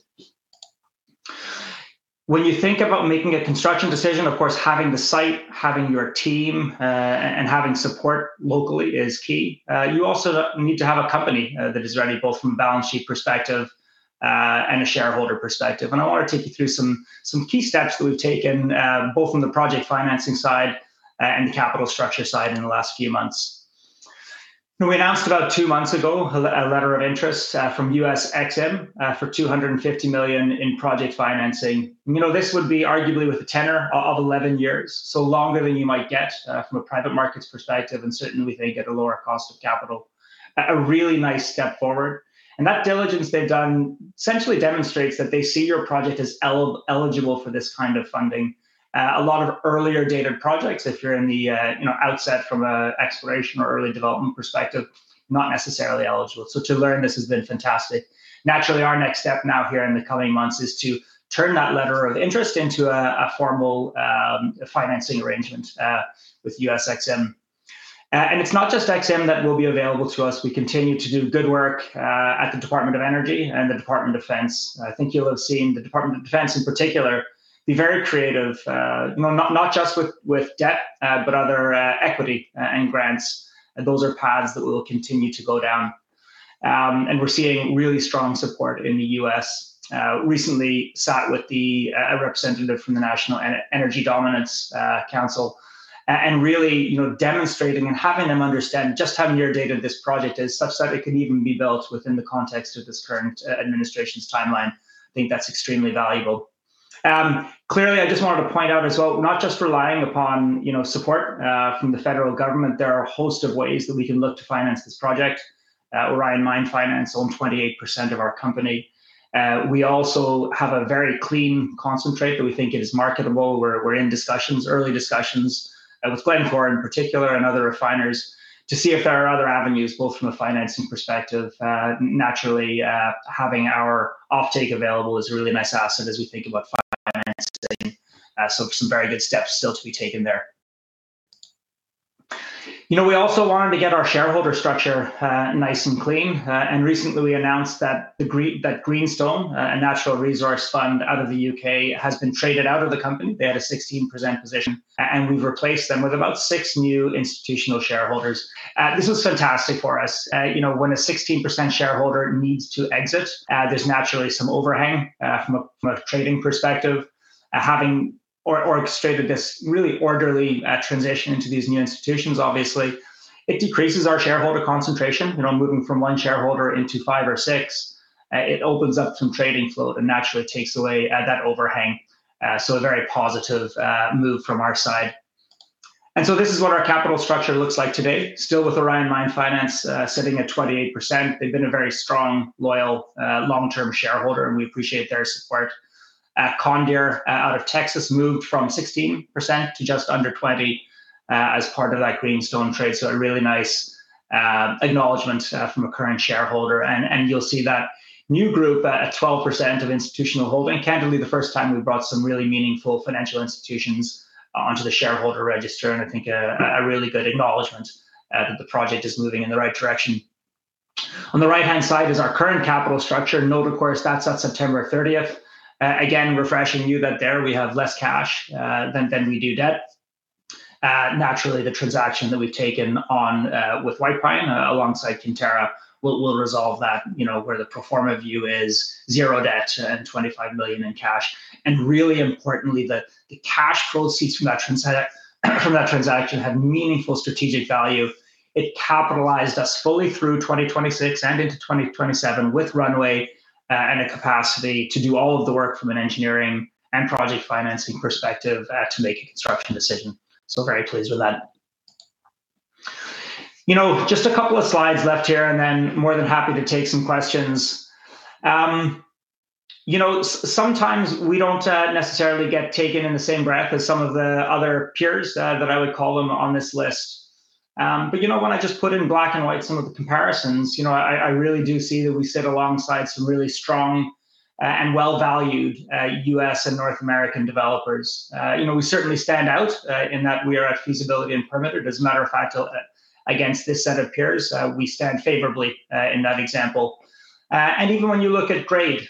When you think about making a construction decision, of course, having the site, having your team, and having support locally is key. You also need to have a company that is ready both from a balance sheet perspective and a shareholder perspective. I want to take you through some key steps that we've taken both from the project financing side and the capital structure side in the last few months. We announced about two months ago a letter of interest from U.S. EXIM for $250 million in project financing. This would be arguably with a tenor of 11 years, so longer than you might get from a private markets perspective, and certainly we think at a lower cost of capital, a really nice step forward. That diligence they've done essentially demonstrates that they see your project as eligible for this kind of funding. A lot of earlier dated projects, if you're in the outset from an exploration or early development perspective, not necessarily eligible, so to learn this has been fantastic. Naturally, our next step now here in the coming months is to turn that letter of interest into a formal financing arrangement with U.S. EXIM, and it's not just EXIM that will be available to us. We continue to do good work at the Department of Energy and the Department of Defense. I think you'll have seen the Department of Defense in particular be very creative, not just with debt, but other equity and grants. Those are paths that will continue to go down. We're seeing really strong support in the U.S. Recently sat with the representative from the National Energy Dominance Council and really demonstrating and having them understand just how near term this project is such that it can even be built within the context of this current administration's timeline. I think that's extremely valuable. Clearly, I just wanted to point out as well, not just relying upon support from the federal government, there are a host of ways that we can look to finance this project. Orion Mine Finance owned 28% of our company. We also have a very clean concentrate that we think is marketable. We're in discussions, early discussions with Glencore in particular and other refiners to see if there are other avenues both from a financing perspective. Naturally, having our offtake available is a really nice asset as we think about financing, so some very good steps still to be taken there. We also wanted to get our shareholder structure nice and clean, and recently, we announced that Greenstone, a natural resource fund out of the U.K., has been traded out of the company. They had a 16% position, and we've replaced them with about six new institutional shareholders. This was fantastic for us. When a 16% shareholder needs to exit, there's naturally some overhang from a trading perspective. Having orchestrated this really orderly transition into these new institutions, obviously, it decreases our shareholder concentration. Moving from one shareholder into five or six, it opens up some trading flow and naturally takes away that overhang, so a very positive move from our side, and so this is what our capital structure looks like today, still with Orion Mine Finance sitting at 28%. They've been a very strong, loyal, long term shareholder, and we appreciate their support. Condire out of Texas moved from 16% to just under 20% as part of that Greenstone trade, so a really nice acknowledgement from a current shareholder, and you'll see that new group at 12% of institutional holding. Candidly, the first time we brought some really meaningful financial institutions onto the shareholder register, and I think a really good acknowledgement that the project is moving in the right direction. On the right hand side is our current capital structure. Note, of course, that's on September 30th. Again, refreshing you that there we have less cash than we do debt. Naturally, the transaction that we've taken on with White Pine alongside Kinterra will resolve that where the pro forma view is zero debt and $25 million in cash, and really importantly, the cash proceeds from that transaction had meaningful strategic value. It capitalized us fully through 2026 and into 2027 with runway and a capacity to do all of the work from an engineering and project financing perspective to make a construction decision, very pleased with that. Just a couple of slides left here, and then more than happy to take some questions. Sometimes we don't necessarily get taken in the same breath as some of the other peers that I would call them on this list. But when I just put in black and white some of the comparisons, I really do see that we sit alongside some really strong and well-valued U.S. and North American developers. We certainly stand out in that we are at feasibility and permit. As a matter of fact, against this set of peers, we stand favorably in that example. And even when you look at grade,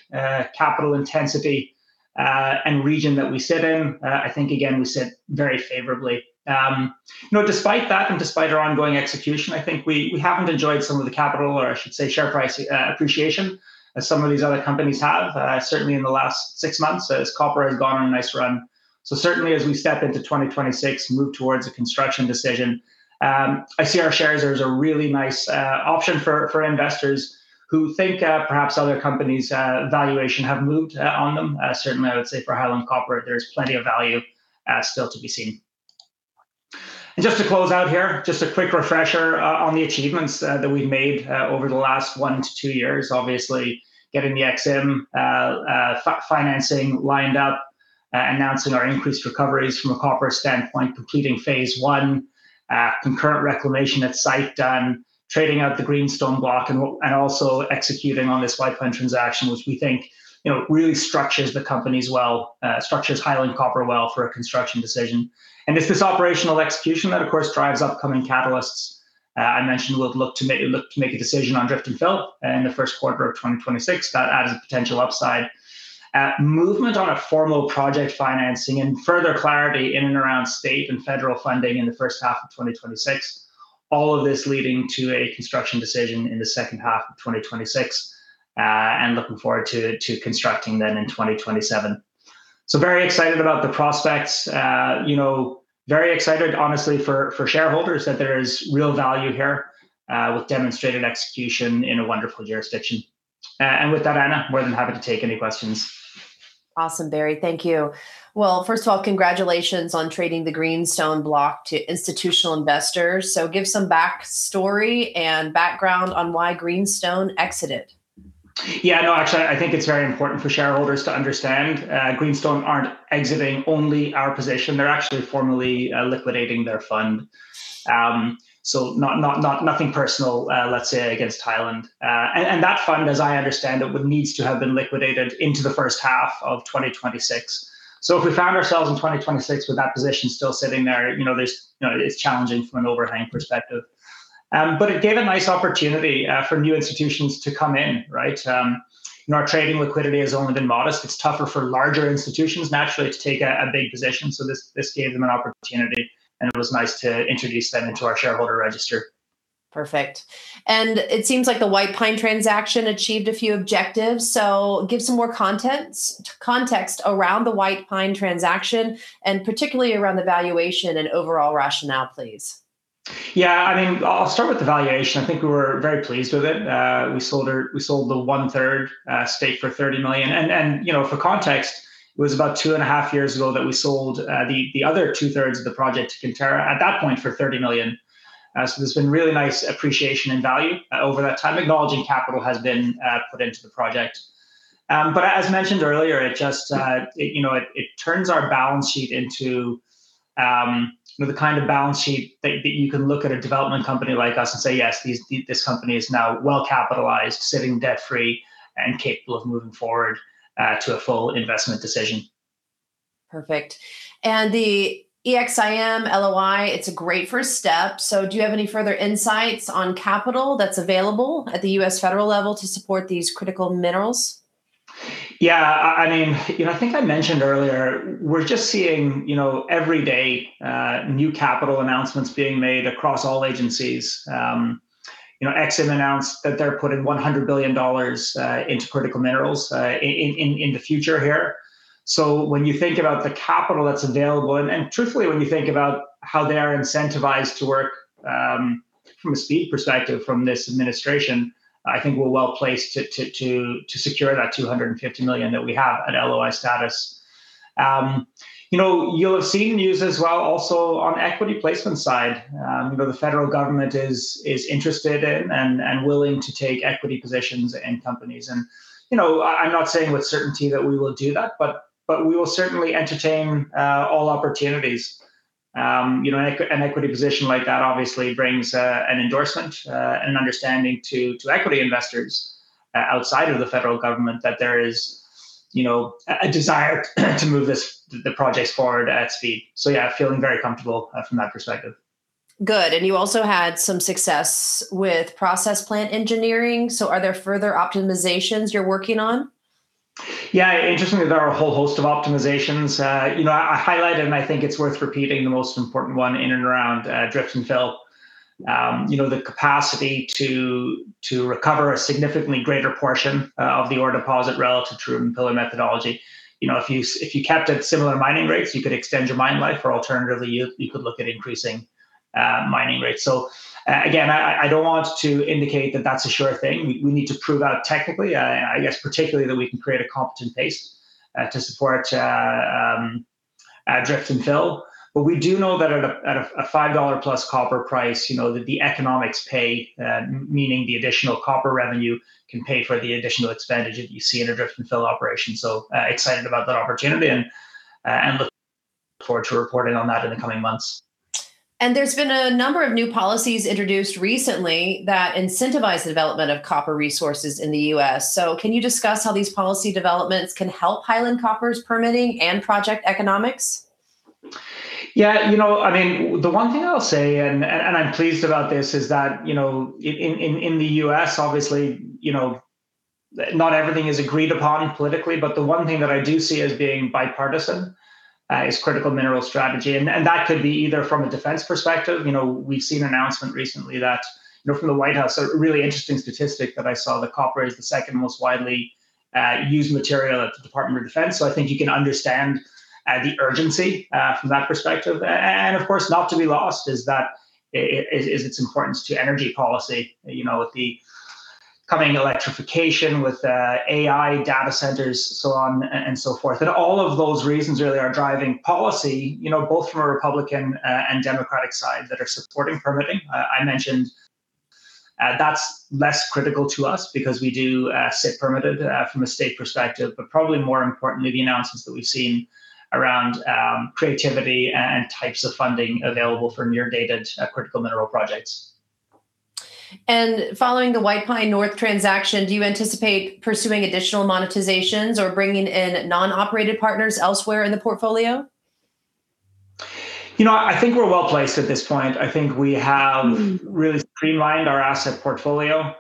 capital intensity, and region that we sit in, I think, again, we sit very favorably. Despite that and despite our ongoing execution, I think we haven't enjoyed some of the capital, or I should say share price appreciation as some of these other companies have, certainly in the last six months as copper has gone on a nice run. Certainly, as we step into 2026, move towards a construction decision, I see our shares as a really nice option for investors who think perhaps other companies' valuation have moved on them. Certainly, I would say for Highland Copper, there is plenty of value still to be seen. Just to close out here, just a quick refresher on the achievements that we've made over the last one to two years. Obviously, getting the EXIM financing lined up, announcing our increased recoveries from a copper standpoint, completing phase I, concurrent reclamation at site done, trading out the Greenstone block, and also executing on this White Pine transaction, which we think really structures the company well, structures Highland Copper well for a construction decision. It's this operational execution that, of course, drives upcoming catalysts. I mentioned we'll look to make a decision on drift and fill in the first quarter of 2026. That adds a potential upside. Movement on a formal project financing and further clarity in and around state and federal funding in the first half of 2026. All of this leading to a construction decision in the second half of 2026. And looking forward to constructing then in 2027. So very excited about the prospects. Very excited, honestly, for shareholders that there is real value here with demonstrated execution in a wonderful jurisdiction. And with that, Anna, more than happy to take any questions. Awesome, Barry. Thank you. Well, first of all, congratulations on trading the Greenstone block to institutional investors. So give some backstory and background on why Greenstone exited. Yeah, no, actually, I think it's very important for shareholders to understand. Greenstone aren't exiting only our position. They're actually formally liquidating their fund, so nothing personal, let's say, against Highland, and that fund, as I understand it, needs to have been liquidated into the first half of 2026. If we found ourselves in 2026 with that position still sitting there, it's challenging from an overhang perspective, but it gave a nice opportunity for new institutions to come in, right? Our trading liquidity has only been modest. It's tougher for larger institutions, naturally, to take a big position, so this gave them an opportunity, and it was nice to introduce them into our shareholder register. Perfect, and it seems like the White Pine transaction achieved a few objectives. Give some more context around the White Pine transaction, and particularly around the valuation and overall rationale, please. Yeah, I mean, I'll start with the valuation. I think we were very pleased with it. We sold the one third stake for $30 million. And for context, it was about two and a half years ago that we sold the other two thirds of the project to Kinterra at that point for $30 million. So there's been really nice appreciation in value over that time. Acknowledging capital has been put into the project. But as mentioned earlier, it turns our balance sheet into the kind of balance sheet that you can look at a development company like us and say, yes, this company is now well capitalized, sitting debt free, and capable of moving forward to a full investment decision. Perfect. And the EXIM LOI, it's a great first step. So do you have any further insights on capital that's available at the U.S. federal level to support these critical minerals? Yeah, I mean, I think I mentioned earlier, we're just seeing every day new capital announcements being made across all agencies. EXIM announced that they're putting $100 billion into critical minerals in the future here. So when you think about the capital that's available, and truthfully, when you think about how they're incentivized to work from a speed perspective from this administration, I think we're well placed to secure that $250 million that we have at LOI status. You'll have seen news as well also on equity placement side. The federal government is interested in and willing to take equity positions in companies. I'm not saying with certainty that we will do that, but we will certainly entertain all opportunities. An equity position like that obviously brings an endorsement and understanding to equity investors outside of the federal government that there is a desire to move the projects forward at speed. So yeah, feeling very comfortable from that perspective. Good. And you also had some success with process plant engineering. So are there further optimizations you're working on? Yeah, interestingly, there are a whole host of optimizations. I highlighted, and I think it's worth repeating, the most important one in and around drift and fill. The capacity to recover a significantly greater portion of the ore deposit relative to room-and-pillar methodology. If you kept at similar mining rates, you could extend your mine life, or alternatively, you could look at increasing mining rates. So again, I don't want to indicate that that's a sure thing. We need to prove out technically, I guess, particularly that we can create a competent base to support drift and fill. But we do know that at a $5+ copper price, the economics pay, meaning the additional copper revenue can pay for the additional expenditure that you see in a drift and fill operation. So excited about that opportunity and look forward to reporting on that in the coming months. And there's been a number of new policies introduced recently that incentivize the development of copper resources in the U.S. So can you discuss how these policy developments can help Highland Copper's permitting and project economics? Yeah, I mean, the one thing I'll say, and I'm pleased about this, is that in the U.S., obviously, not everything is agreed upon politically, but the one thing that I do see as being bipartisan is critical mineral strategy. That could be either from a defense perspective. We've seen an announcement recently that from the White House, a really interesting statistic that I saw, that copper is the second most widely used material at the Department of Defense. So I think you can understand the urgency from that perspective. And of course, not to be lost is its importance to energy policy, with the coming electrification, with AI data centers, so on and so forth. And all of those reasons really are driving policy, both from a Republican and Democratic side that are supporting permitting. I mentioned that's less critical to us because we do sit permitted from a state perspective, but probably more importantly, the announcements that we've seen around creative and types of funding available for near-term critical mineral projects. Following the White Pine North transaction, do you anticipate pursuing additional monetizations or bringing in non-operated partners elsewhere in the portfolio? I think we're well placed at this point. I think we have really streamlined our asset portfolio.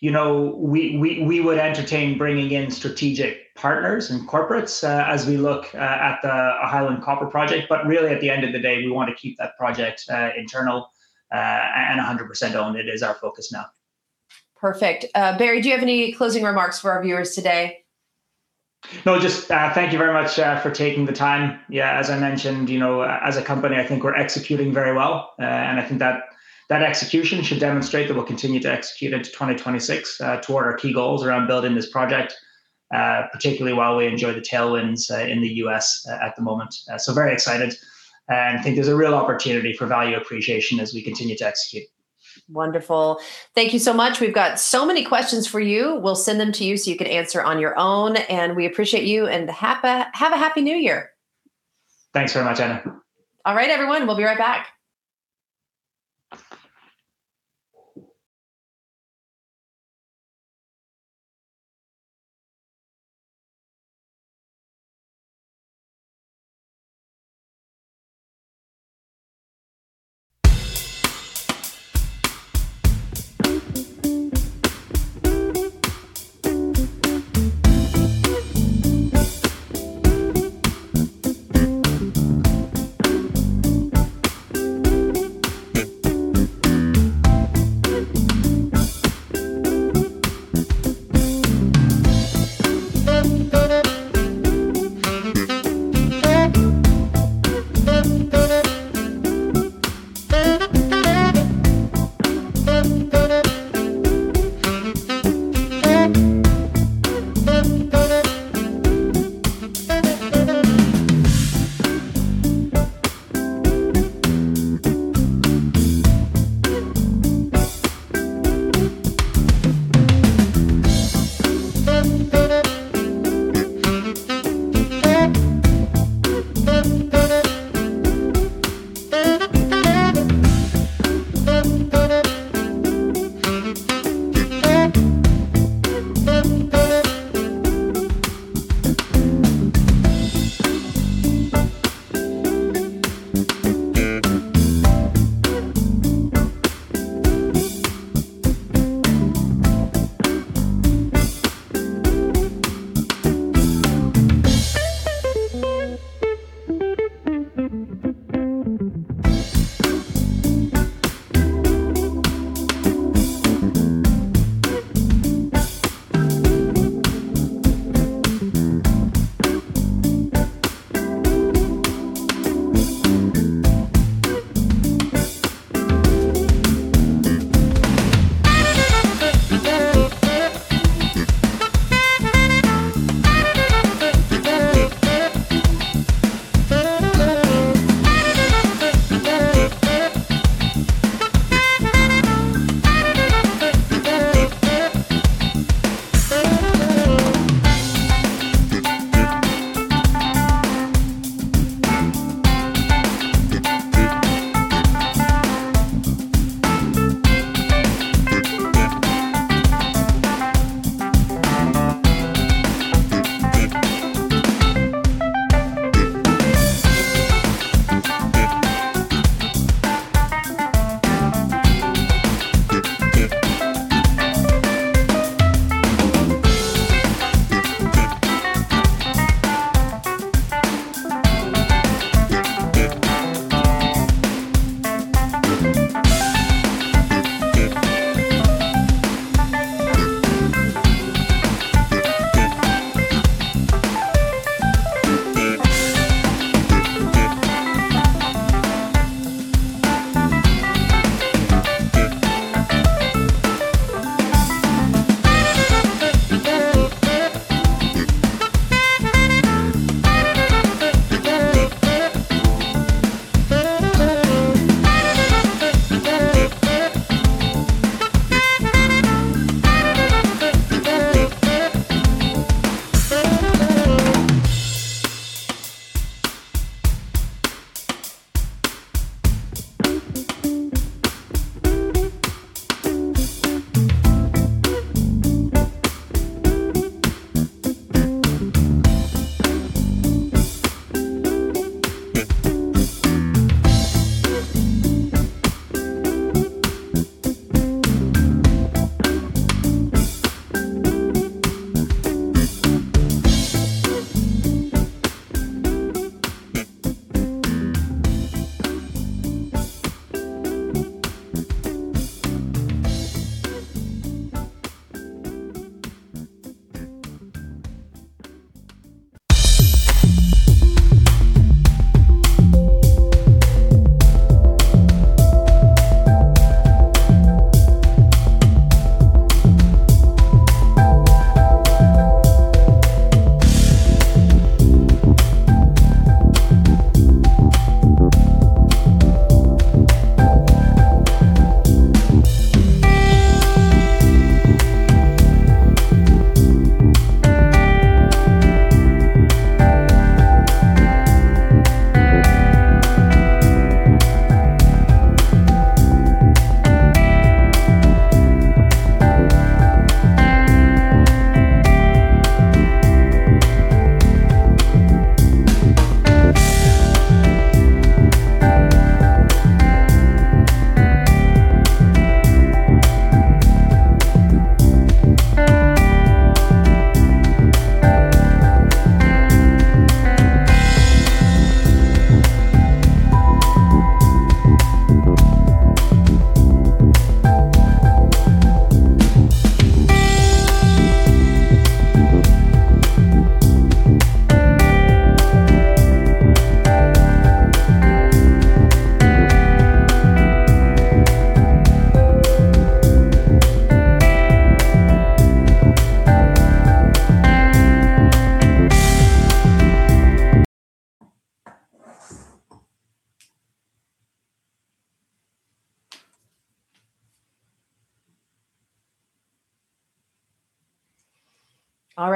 We would entertain bringing in strategic partners and corporates as we look at the Highland Copper project. But really, at the end of the day, we want to keep that project internal and 100% owned. It is our focus now. Perfect. Barry, do you have any closing remarks for our viewers today? No, just thank you very much for taking the time. Yeah, as I mentioned, as a company, I think we're executing very well. I think that execution should demonstrate that we'll continue to execute into 2026 toward our key goals around building this project, particularly while we enjoy the tailwinds in the U.S. at the moment. So very excited. And I think there's a real opportunity for value appreciation as we continue to execute. Wonderful. Thank you so much. We've got so many questions for you. We'll send them to you so you can answer on your own. And we appreciate you and have a Happy New Year. Thanks very much, Anna. All right, everyone. We'll be right back.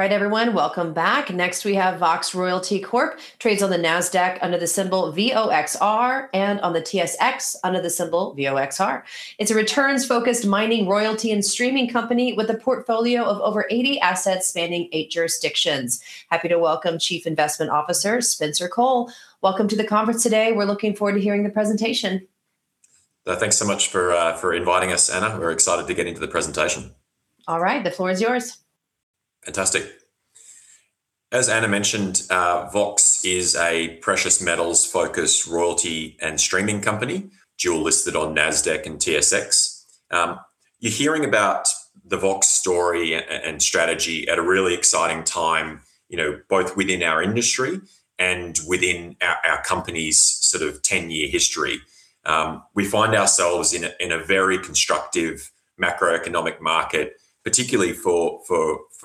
All right, everyone, welcome back. Next, we have Vox Royalty Corp, trades on the NASDAQ under the symbol VOXR, and on the TSX under the symbol VOXR. It's a returns focused mining royalty and streaming company with a portfolio of over 80 assets spanning eight jurisdictions. Happy to welcome Chief Investment Officer Spencer Cole. Welcome to the conference today. We're looking forward to hearing the presentation. Thanks so much for inviting us, Anna. We're excited to get into the presentation. All right, the floor is yours. Fantastic. As Anna mentioned, Vox is a precious metals focused royalty and streaming company. Dually listed on NASDAQ and TSX. You're hearing about the Vox story and strategy at a really exciting time, both within our industry and within our company's sort of 10-year history. We find ourselves in a very constructive macroeconomic market, particularly for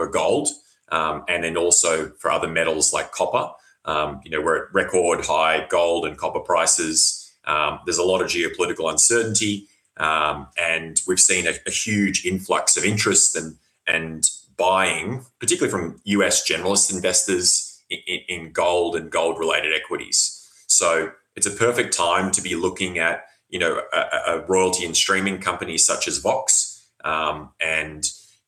gold and then also for other metals like copper. We're at record high gold and copper prices. There's a lot of geopolitical uncertainty, and we've seen a huge influx of interest and buying, particularly from U.S. generalist investors in gold and gold related equities. So it's a perfect time to be looking at a royalty and streaming company such as Vox, and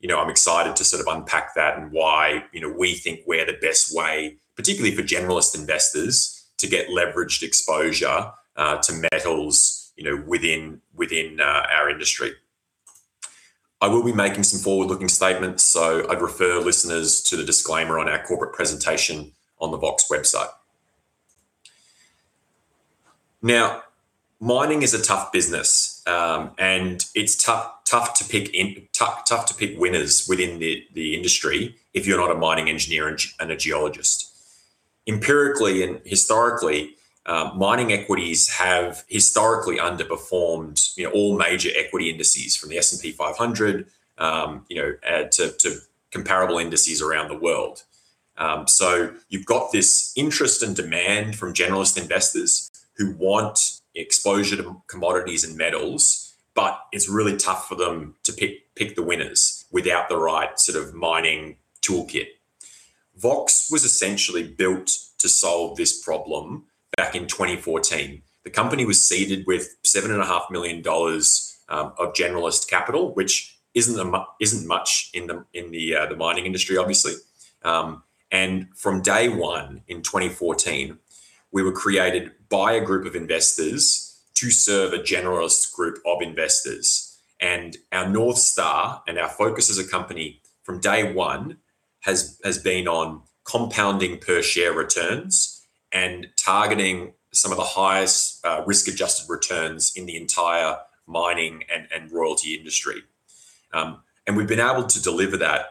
I'm excited to sort of unpack that and why we think we're the best way, particularly for generalist investors, to get leveraged exposure to metals within our industry. I will be making some forward looking statements, so I'd refer listeners to the disclaimer on our corporate presentation on the Vox website. Now, mining is a tough business, and it's tough to pick winners within the industry if you're not a mining engineer and a geologist. Empirically and historically, mining equities have historically underperformed all major equity indices from the S&P 500 to comparable indices around the world. So you've got this interest and demand from generalist investors who want exposure to commodities and metals, but it's really tough for them to pick the winners without the right sort of mining toolkit. Vox was essentially built to solve this problem back in 2014. The company was seeded with $7.5 million of generalist capital, which isn't much in the mining industry, obviously. And from day one in 2014, we were created by a group of investors to serve a generalist group of investors. And our North Star and our focus as a company from day one has been on compounding per-share returns and targeting some of the highest risk adjusted returns in the entire mining and royalty industry. And we've been able to deliver that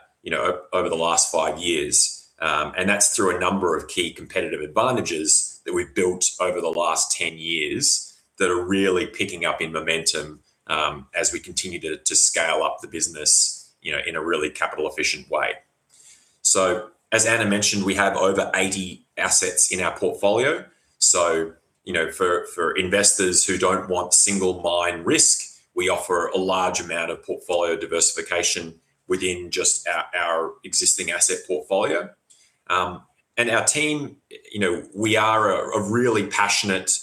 over the last five years. And that's through a number of key competitive advantages that we've built over the last 10 years that are really picking up in momentum as we continue to scale up the business in a really capital efficient way. So as Anna mentioned, we have over 80 assets in our portfolio. So for investors who don't want single mine risk, we offer a large amount of portfolio diversification within just our existing asset portfolio. And our team, we are a really passionate,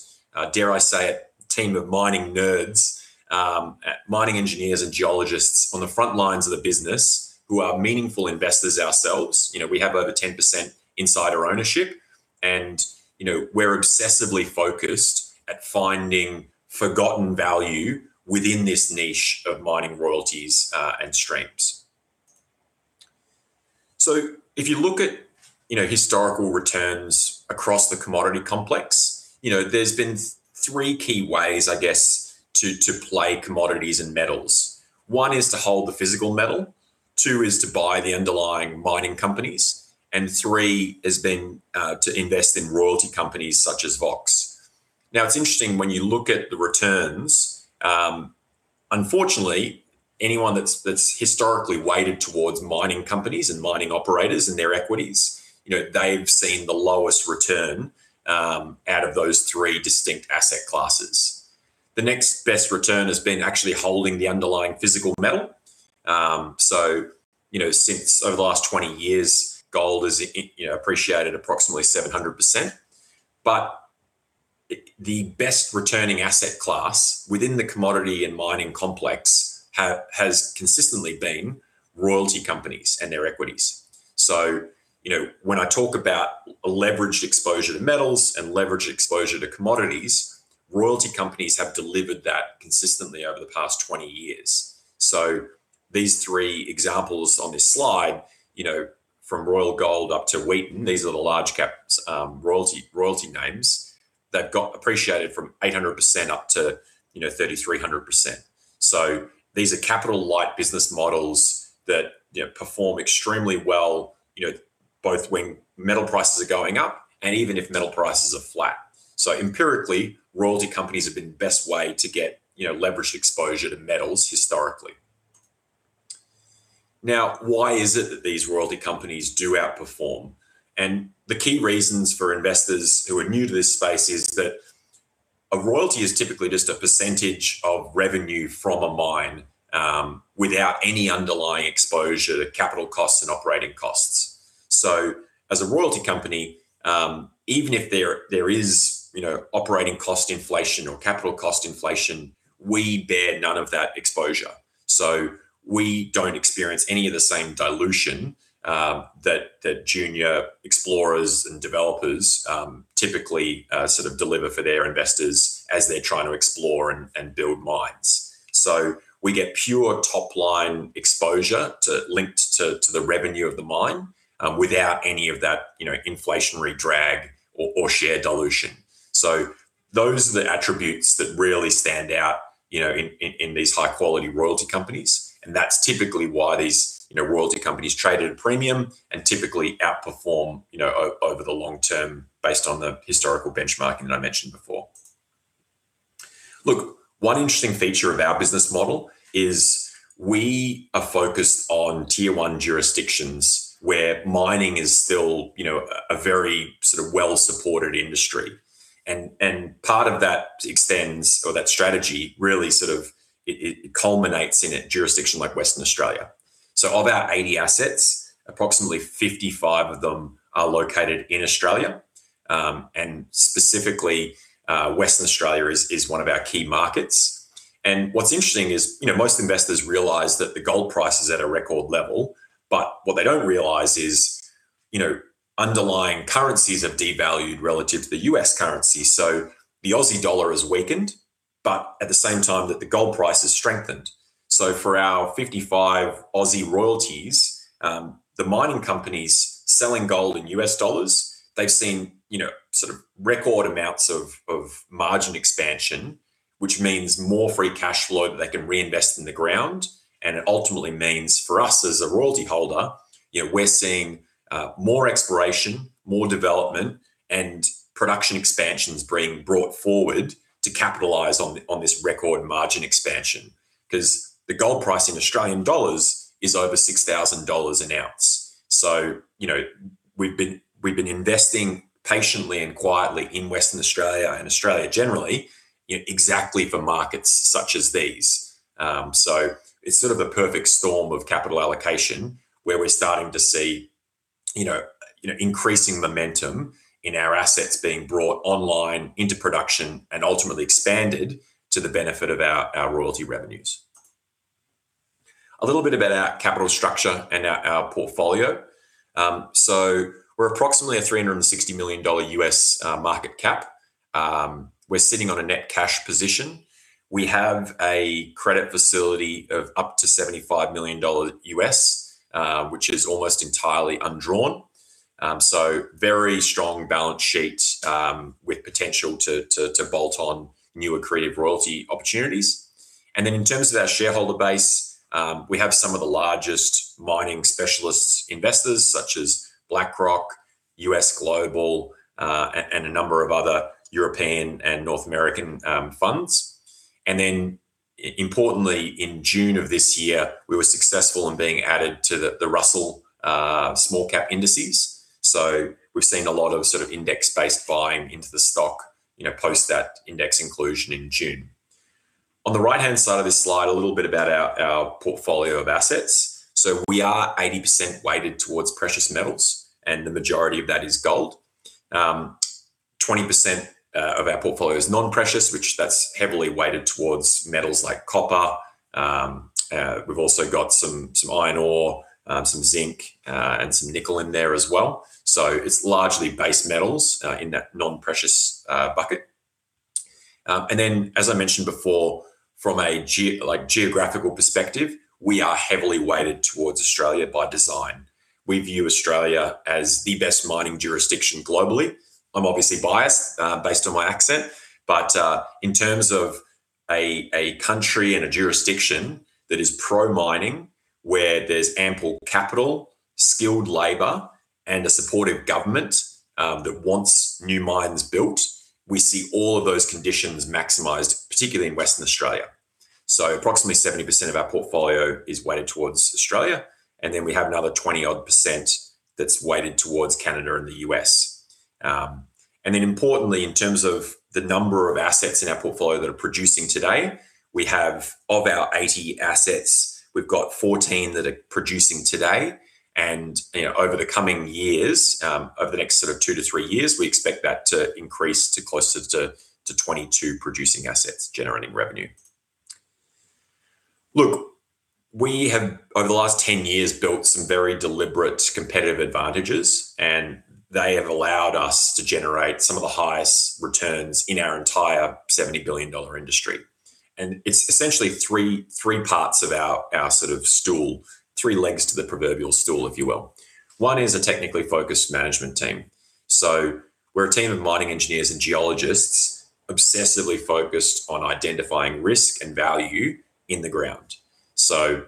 dare I say it, team of mining nerds, mining engineers, and geologists on the front lines of the business who are meaningful investors ourselves. We have over 10% insider ownership, and we're obsessively focused at finding forgotten value within this niche of mining royalties and streams. So if you look at historical returns across the commodity complex, there's been three key ways, I guess, to play commodities and metals. One is to hold the physical metal. Two is to buy the underlying mining companies. And three has been to invest in royalty companies such as Vox. Now, it's interesting when you look at the returns. Unfortunately, anyone that's historically weighted towards mining companies and mining operators and their equities, they've seen the lowest return out of those three distinct asset classes. The next best return has been actually holding the underlying physical metal. So since over the last 20 years, gold has appreciated approximately 700%. But the best returning asset class within the commodity and mining complex has consistently been royalty companies and their equities. So when I talk about leveraged exposure to metals and leveraged exposure to commodities, royalty companies have delivered that consistently over the past 20 years. So these three examples on this slide, from Royal Gold up to Wheaton, these are the large cap royalty names that got appreciated from 800% up to 3,300%. So these are capital-light business models that perform extremely well, both when metal prices are going up and even if metal prices are flat. So empirically, royalty companies have been the best way to get leveraged exposure to metals historically. Now, why is it that these royalty companies do outperform? The key reasons for investors who are new to this space is that a royalty is typically just a percentage of revenue from a mine without any underlying exposure to capital costs and operating costs. So as a royalty company, even if there is operating cost inflation or capital cost inflation, we bear none of that exposure. So we don't experience any of the same dilution that junior explorers and developers typically sort of deliver for their investors as they're trying to explore and build mines. So we get pure top line exposure linked to the revenue of the mine without any of that inflationary drag or share dilution. So those are the attributes that really stand out in these high quality royalty companies. That's typically why these royalty companies trade at a premium and typically outperform over the long term based on the historical benchmarking that I mentioned before. Look, one interesting feature of our business model is we are focused on tier one jurisdictions where mining is still a very sort of well supported industry. And part of that extends or that strategy really sort of culminates in a jurisdiction like Western Australia. So of our 80 assets, approximately 55 of them are located in Australia. And specifically, Western Australia is one of our key markets. And what's interesting is most investors realize that the gold price is at a record level, but what they don't realize is underlying currencies have devalued relative to the U.S. currency. So the Aussie dollar has weakened, but at the same time, the gold price has strengthened. So for our 55 Aussie royalties, the mining companies selling gold in U.S. dollars, they've seen sort of record amounts of margin expansion, which means more free cash flow that they can reinvest in the ground. It ultimately means for us as a royalty holder, we're seeing more exploration, more development, and production expansions being brought forward to capitalize on this record margin expansion because the gold price in Australian dollars is over 6,000 dollars an ounce. We've been investing patiently and quietly in Western Australia and Australia generally exactly for markets such as these. It's sort of a perfect storm of capital allocation where we're starting to see increasing momentum in our assets being brought online into production and ultimately expanded to the benefit of our royalty revenues. A little bit about our capital structure and our portfolio. We're approximately a $360 million market cap. We're sitting on a net cash position. We have a credit facility of up to $75 million, which is almost entirely undrawn. Very strong balance sheet with potential to bolt-on new accretive royalty opportunities. And then in terms of our shareholder base, we have some of the largest mining specialist investors such as BlackRock, U.S. Global, and a number of other European and North American funds. And then importantly, in June of this year, we were successful in being added to the Russell Small Cap Indices. So we've seen a lot of sort of index-based buying into the stock post that index inclusion in June. On the right hand side of this slide, a little bit about our portfolio of assets. So we are 80% weighted towards precious metals, and the majority of that is gold. 20% of our portfolio is non-precious, which that's heavily weighted towards metals like copper. We've also got some iron ore, some zinc, and some nickel in there as well. It's largely base metals in that non-precious bucket. And then, as I mentioned before, from a geographical perspective, we are heavily weighted towards Australia by design. We view Australia as the best mining jurisdiction globally. I'm obviously biased based on my accent, but in terms of a country and a jurisdiction that is pro-mining, where there's ample capital, skilled labor, and a supportive government that wants new mines built, we see all of those conditions maximized, particularly in Western Australia. Approximately 70% of our portfolio is weighted towards Australia. And then we have another 20-odd percent that's weighted towards Canada and the U.S. And then importantly, in terms of the number of assets in our portfolio that are producing today, we have of our 80 assets, we've got 14 that are producing today. Over the coming years, over the next sort of two to three years, we expect that to increase to close to 22 producing assets generating revenue. Look, we have, over the last 10 years, built some very deliberate competitive advantages, and they have allowed us to generate some of the highest returns in our entire $70 billion industry. It's essentially three parts of our sort of stool, three legs to the proverbial stool, if you will. One is a technically focused management team. So we're a team of mining engineers and geologists obsessively focused on identifying risk and value in the ground. So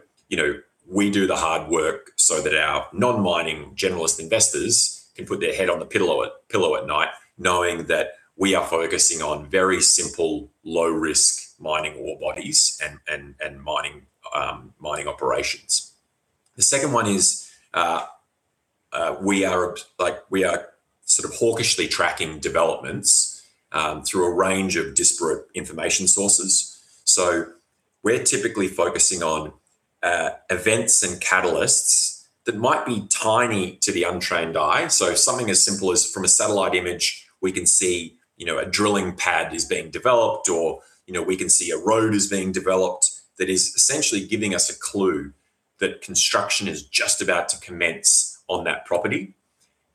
we do the hard work so that our non-mining generalist investors can put their head on the pillow at night knowing that we are focusing on very simple, low risk mining ore bodies and mining operations. The second one is we are sort of hawkishly tracking developments through a range of disparate information sources. So we're typically focusing on events and catalysts that might be tiny to the untrained eye. So something as simple as from a satellite image, we can see a drilling pad is being developed, or we can see a road is being developed that is essentially giving us a clue that construction is just about to commence on that property.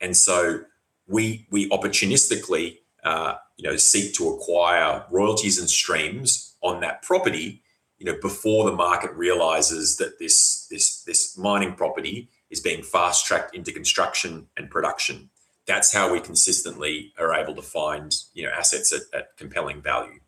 And so we opportunistically seek to acquire royalties and streams on that property before the market realizes that this mining property is being fast tracked into construction and production. That's how we consistently are able to find assets at compelling value.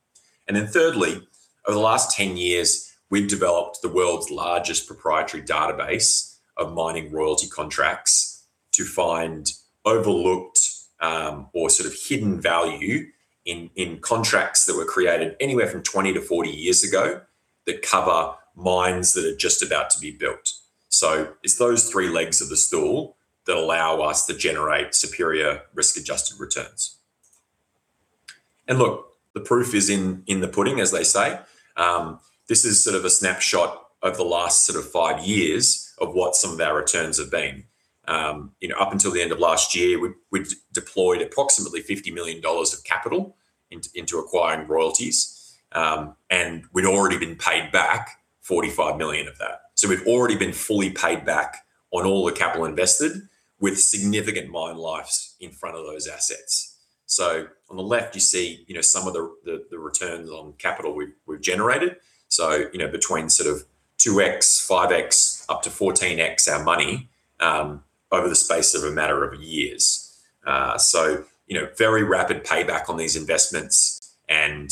And then thirdly, over the last 10 years, we've developed the world's largest proprietary database of mining royalty contracts to find overlooked or sort of hidden value in contracts that were created anywhere from 20-40 years ago that cover mines that are just about to be built. So it's those three legs of the stool that allow us to generate superior risk adjusted returns. And look, the proof is in the pudding, as they say. This is sort of a snapshot of the last sort of five years of what some of our returns have been. Up until the end of last year, we deployed approximately $50 million of capital into acquiring royalties, and we'd already been paid back $45 million of that. So we've already been fully paid back on all the capital invested with significant mine lives in front of those assets. So on the left, you see some of the returns on capital we've generated. So between sort of 2x, 5x, up to 14x our money over the space of a matter of years. So very rapid payback on these investments. And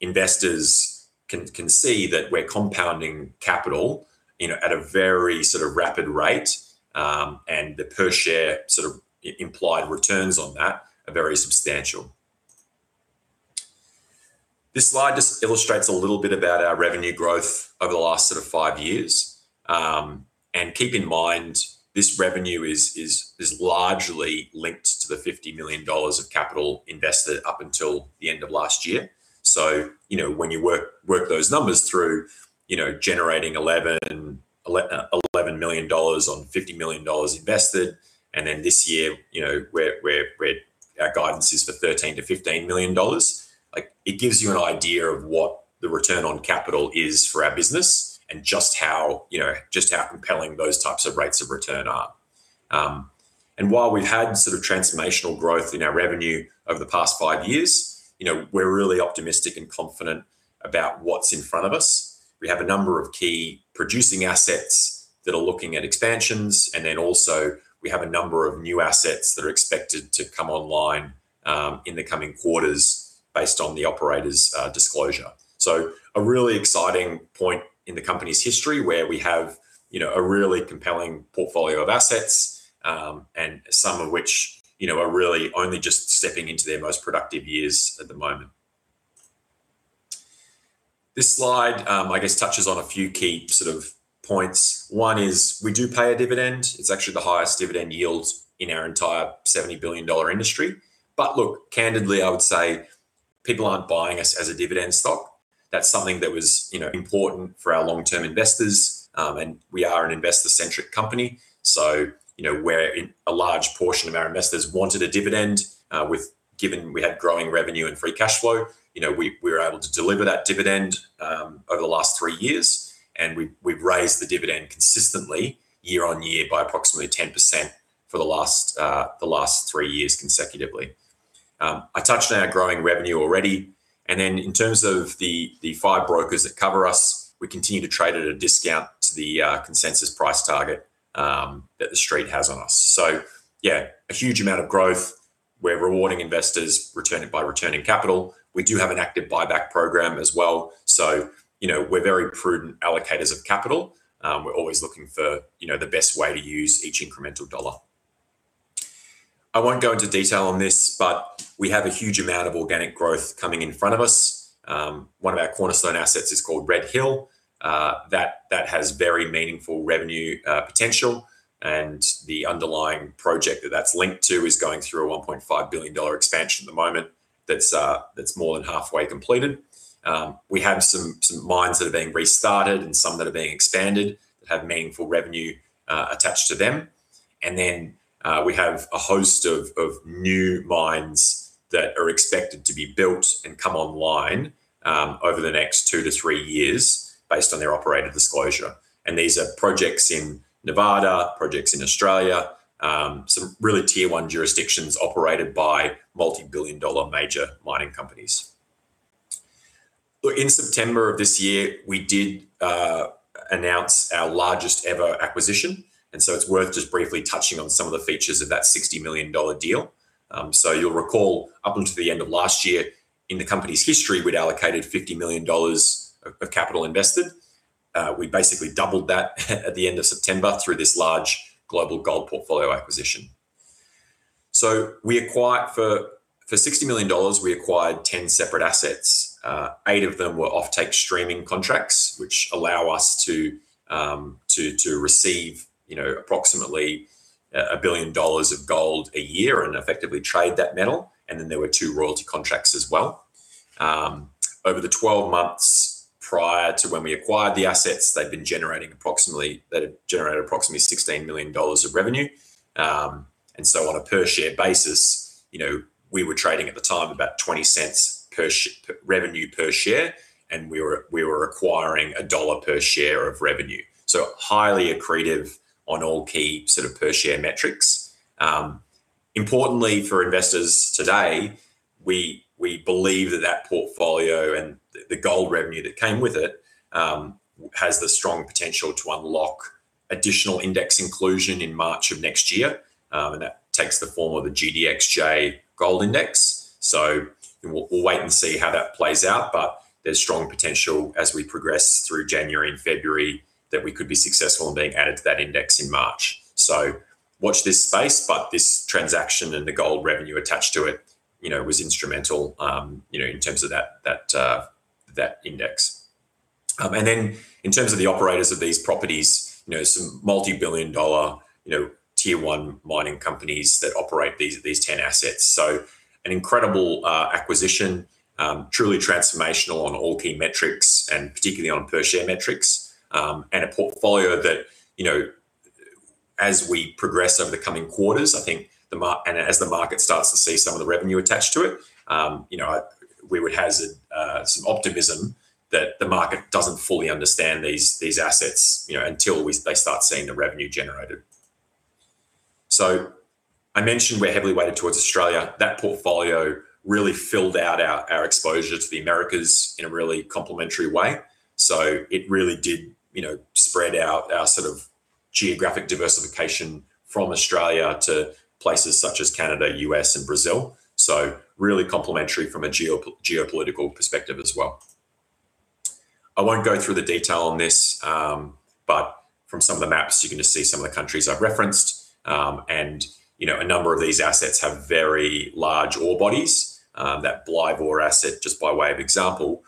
investors can see that we're compounding capital at a very sort of rapid rate, and the per-share sort of implied returns on that are very substantial. This slide just illustrates a little bit about our revenue growth over the last sort of five years. And keep in mind, this revenue is largely linked to the $50 million of capital invested up until the end of last year. When you work those numbers through, generating $11 million on $50 million invested, and then this year, our guidance is for $13-$15 million, it gives you an idea of what the return on capital is for our business and just how compelling those types of rates of return are. While we've had sort of transformational growth in our revenue over the past five years, we're really optimistic and confident about what's in front of us. We have a number of key producing assets that are looking at expansions. Then also, we have a number of new assets that are expected to come online in the coming quarters based on the operator's disclosure. So a really exciting point in the company's history where we have a really compelling portfolio of assets, and some of which are really only just stepping into their most productive years at the moment. This slide, I guess, touches on a few key sort of points. One is we do pay a dividend. It's actually the highest dividend yield in our entire $70 billion industry. But look, candidly, I would say people aren't buying us as a dividend stock. That's something that was important for our long term investors. And we are an investor-centric company. So where a large portion of our investors wanted a dividend, given we had growing revenue and free cash flow, we were able to deliver that dividend over the last three years. And we've raised the dividend consistently year-on-year by approximately 10% for the last three years consecutively. I touched on our growing revenue already. And then in terms of the five brokers that cover us, we continue to trade at a discount to the consensus price target that the street has on us. So yeah, a huge amount of growth. We're rewarding investors by returning capital. We do have an active buyback program as well. So we're very prudent allocators of capital. We're always looking for the best way to use each incremental dollar. I won't go into detail on this, but we have a huge amount of organic growth coming in front of us. One of our cornerstone assets is called Red Hill. That has very meaningful revenue potential. And the underlying project that that's linked to is going through a $1.5 billion expansion at the moment that's more than halfway completed. We have some mines that are being restarted and some that are being expanded that have meaningful revenue attached to them. And then we have a host of new mines that are expected to be built and come online over the next two to three years based on their operator disclosure. And these are projects in Nevada, projects in Australia, some really tier one jurisdictions operated by multi billion dollar major mining companies. Look, in September of this year, we did announce our largest ever acquisition. And so it's worth just briefly touching on some of the features of that $60 million deal. So you'll recall up until the end of last year, in the company's history, we'd allocated $50 million of capital invested. We basically doubled that at the end of September through this large global gold portfolio acquisition. So for $60 million, we acquired 10 separate assets. Eight of them were offtake streaming contracts, which allow us to receive approximately $1 billion of gold a year and effectively trade that metal. And then there were two royalty contracts as well. Over the 12 months prior to when we acquired the assets, they've been generating approximately $16 million of revenue. And so on a per-share basis, we were trading at the time about $0.20 revenue per share, and we were acquiring $1 per share of revenue. So highly accretive on all key sort of per-share metrics. Importantly, for investors today, we believe that that portfolio and the gold revenue that came with it has the strong potential to unlock additional index inclusion in March of next year. And that takes the form of the GDXJ Gold Index. So we'll wait and see how that plays out. But there's strong potential as we progress through January and February that we could be successful in being added to that index in March. So watch this space, but this transaction and the gold revenue attached to it was instrumental in terms of that index. And then in terms of the operators of these properties, some multi billion dollar tier one mining companies that operate these 10 assets. So an incredible acquisition, truly transformational on all key metrics, and particularly on per-share metrics. And a portfolio that, as we progress over the coming quarters, I think, and as the market starts to see some of the revenue attached to it, we would hazard some optimism that the market doesn't fully understand these assets until they start seeing the revenue generated. So I mentioned we're heavily weighted towards Australia. That portfolio really filled out our exposure to the Americas in a really complementary way. So it really did spread out our sort of geographic diversification from Australia to places such as Canada, U.S., and Brazil, so really complementary from a geopolitical perspective as well. I won't go through the detail on this, but from some of the maps, you can just see some of the countries I've referenced, and a number of these assets have very large ore bodies. That Blyvoor asset, just by way of example,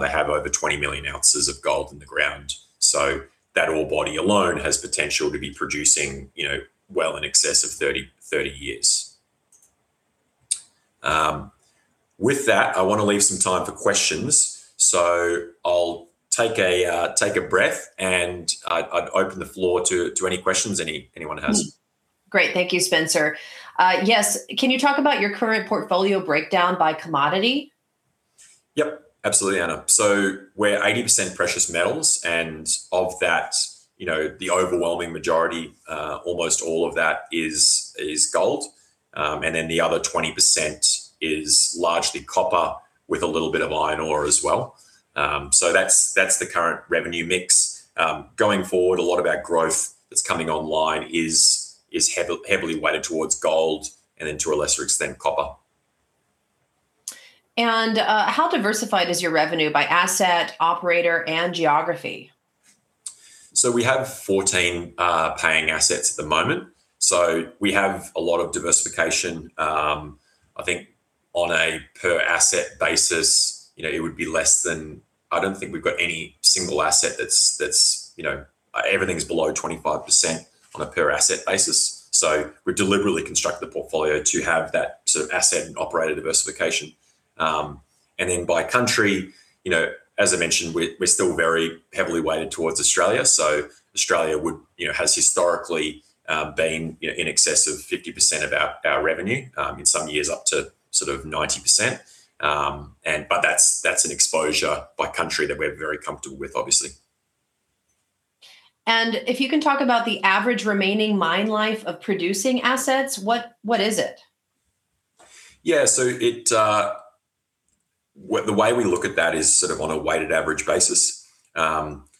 they have over 20 million ounces of gold in the ground, so that ore body alone has potential to be producing well in excess of 30 years. With that, I want to leave some time for questions, so I'll take a breath, and I'd open the floor to any questions anyone has. Great. Thank you, Spencer. Yes. Can you talk about your current portfolio breakdown by commodity? Yep. Absolutely, Anna. So we're 80% precious metals, and of that, the overwhelming majority, almost all of that is gold. And then the other 20% is largely copper with a little bit of iron ore as well. So that's the current revenue mix. Going forward, a lot of our growth that's coming online is heavily weighted towards gold and then, to a lesser extent, copper. And how diversified is your revenue by asset, operator, and geography? So we have 14 paying assets at the moment. So we have a lot of diversification. I think on a per-asset basis, it would be less than I don't think we've got any single asset that's everything's below 25% on a per-asset basis. So we deliberately construct the portfolio to have that sort of asset and operator diversification. Then by country, as I mentioned, we're still very heavily weighted towards Australia. So Australia has historically been in excess of 50% of our revenue in some years up to sort of 90%. But that's an exposure by country that we're very comfortable with, obviously. And if you can talk about the average remaining mine life of producing assets, what is it? Yeah. So the way we look at that is sort of on a weighted average basis.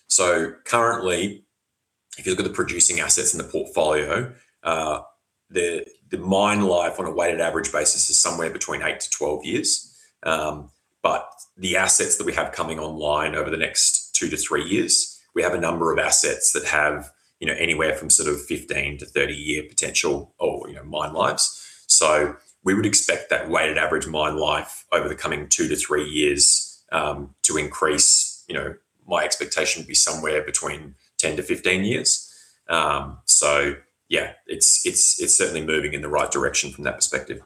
So currently, if you look at the producing assets in the portfolio, the mine life on a weighted average basis is somewhere between 8-12 years. But the assets that we have coming online over the next two to three years, we have a number of assets that have anywhere from sort of 15-30-year potential or mine lives. So we would expect that weighted average mine life over the coming two to three years to increase. My expectation would be somewhere between 10-15 years. So yeah, it's certainly moving in the right direction from that perspective.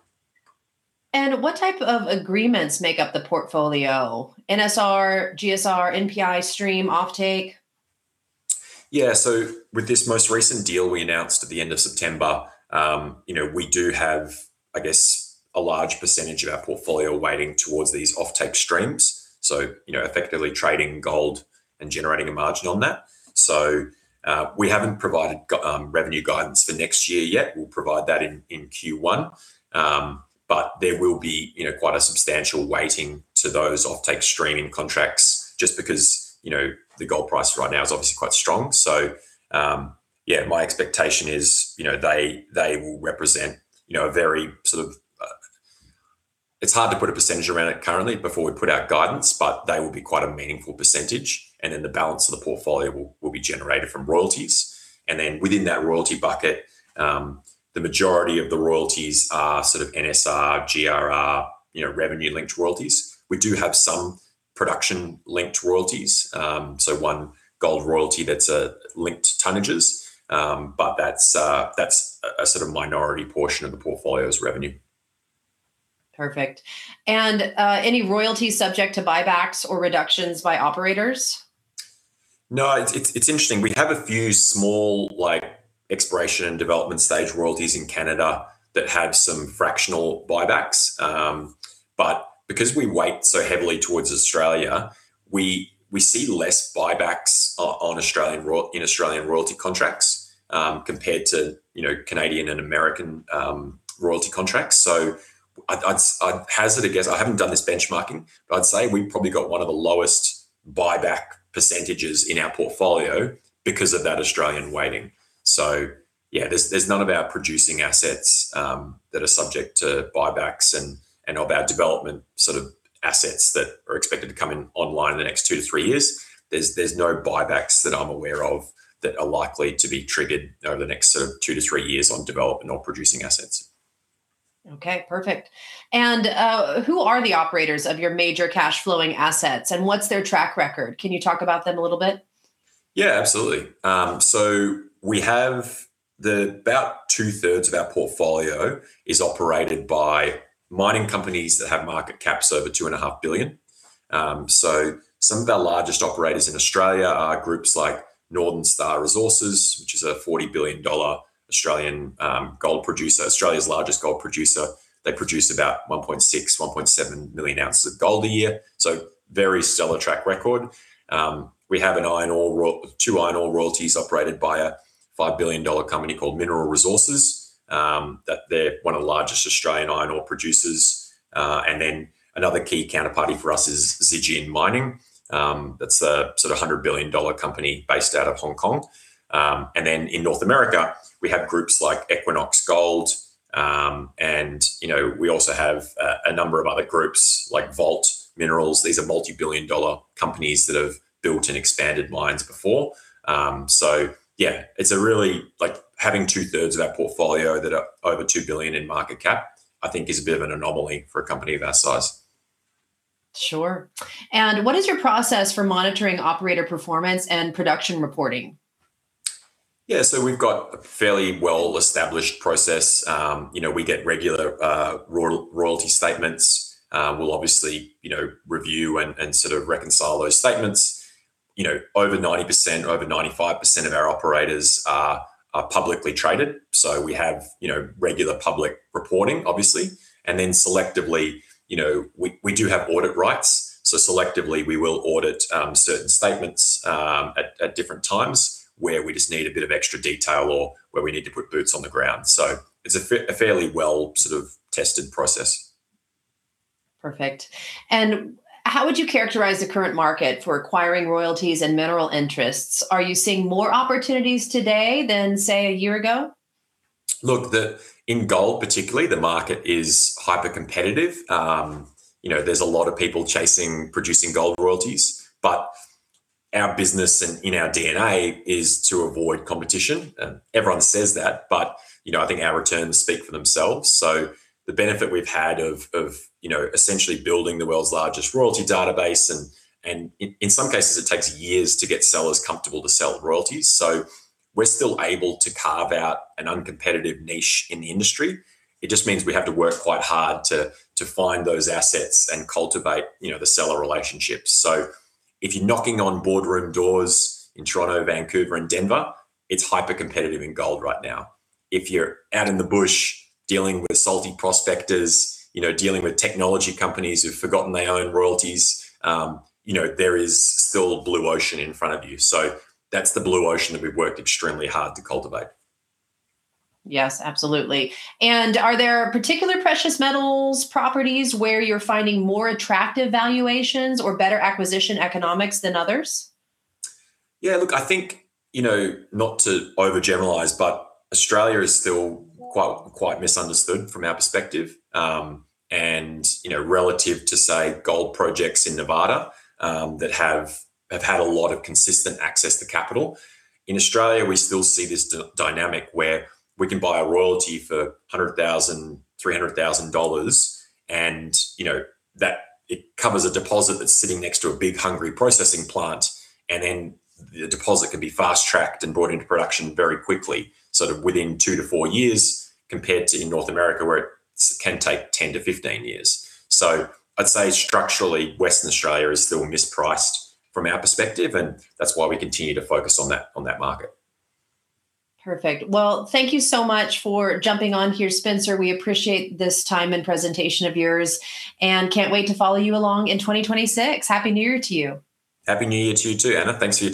And what type of agreements make up the portfolio? NSR, GSR, NPI, Stream, Offtake? Yeah. So with this most recent deal we announced at the end of September, we do have, I guess, a large percentage of our portfolio weighted towards these offtake streams. So effectively trading gold and generating a margin on that. So we haven't provided revenue guidance for next year yet. We'll provide that in Q1. But there will be quite a substantial weighting to those offtake streaming contracts just because the gold price right now is obviously quite strong. Yeah, my expectation is they will represent a very sort of it's hard to put a percentage around it currently before we put out guidance, but they will be quite a meaningful percentage. The balance of the portfolio will be generated from royalties. Within that royalty bucket, the majority of the royalties are sort of NSR, GRR, revenue linked royalties. We do have some production linked royalties. One gold royalty that's linked to tonnages. But that's a sort of minority portion of the portfolio's revenue. Perfect. Any royalties subject to buybacks or reductions by operators? No, it's interesting. We have a few small exploration and development stage royalties in Canada that had some fractional buybacks. But because we weigh so heavily towards Australia, we see less buybacks in Australian royalty contracts compared to Canadian and American royalty contracts. So I'd hazard, I guess I haven't done this benchmarking, but I'd say we've probably got one of the lowest buyback percentages in our portfolio because of that Australian weighting. So yeah, there's none of our producing assets that are subject to buybacks and of our development sort of assets that are expected to come in online in the next two to three years. There's no buybacks that I'm aware of that are likely to be triggered over the next sort of two to three years on development or producing assets. Okay. Perfect. And who are the operators of your major cash-flowing assets? And what's their track record? Can you talk about them a little bit? Yeah, absolutely. So we have about two thirds of our portfolio is operated by mining companies that have market caps over $2.5 billion. Some of our largest operators in Australia are groups like Northern Star Resources, which is a $40 billion Australian gold producer, Australia's largest gold producer. They produce about 1.6-1.7 million ounces of gold a year. Very stellar track record. We have two iron ore royalties operated by a $5 billion company called Mineral Resources. They're one of the largest Australian iron ore producers. Another key counterparty for us is Zijin Mining. That's a sort of $100 billion company based out of Hong Kong. In North America, we have groups like Equinox Gold. We also have a number of other groups like Vault Minerals. These are multi billion dollar companies that have built and expanded mines before. So yeah, it's really having two thirds of that portfolio that are over two billion in market cap, I think, is a bit of an anomaly for a company of our size. Sure. And what is your process for monitoring operator performance and production reporting? Yeah. So we've got a fairly well established process. We get regular royalty statements. We'll obviously review and sort of reconcile those statements. Over 90%, over 95% of our operators are publicly traded. So we have regular public reporting, obviously. And then selectively, we do have audit rights. So selectively, we will audit certain statements at different times where we just need a bit of extra detail or where we need to put boots on the ground. So it's a fairly well sort of tested process. Perfect. And how would you characterize the current market for acquiring royalties and mineral interests? Are you seeing more opportunities today than, say, a year ago? Look, in gold, particularly, the market is hyper competitive. There's a lot of people chasing producing gold royalties. But our business and in our DNA is to avoid competition. Everyone says that, but I think our returns speak for themselves. So the benefit we've had of essentially building the world's largest royalty database, and in some cases, it takes years to get sellers comfortable to sell royalties. So we're still able to carve out an uncompetitive niche in the industry. It just means we have to work quite hard to find those assets and cultivate the seller relationships. So if you're knocking on boardroom doors in Toronto, Vancouver, and Denver, it's hyper competitive in gold right now. If you're out in the bush dealing with salty prospectors, dealing with technology companies who've forgotten they own royalties, there is still a blue ocean in front of you. So that's the blue ocean that we've worked extremely hard to cultivate. Yes, absolutely. And are there particular precious metals, properties where you're finding more attractive valuations or better acquisition economics than others? Yeah. Look, I think, not to overgeneralize, but Australia is still quite misunderstood from our perspective. And relative to, say, gold projects in Nevada that have had a lot of consistent access to capital, in Australia, we still see this dynamic where we can buy a royalty for $100,000-$300,000, and it covers a deposit that's sitting next to a big hungry processing plant. Then the deposit can be fast tracked and brought into production very quickly, sort of within two to four years, compared to in North America where it can take 10-15 years. I'd say structurally, Western Australia is still mispriced from our perspective, and that's why we continue to focus on that market. Perfect. Thank you so much for jumping on here, Spencer. We appreciate this time and presentation of yours and can't wait to follow you along in 2026. Happy New Year to you. Happy New Year to you too, Anna. Thanks for your time.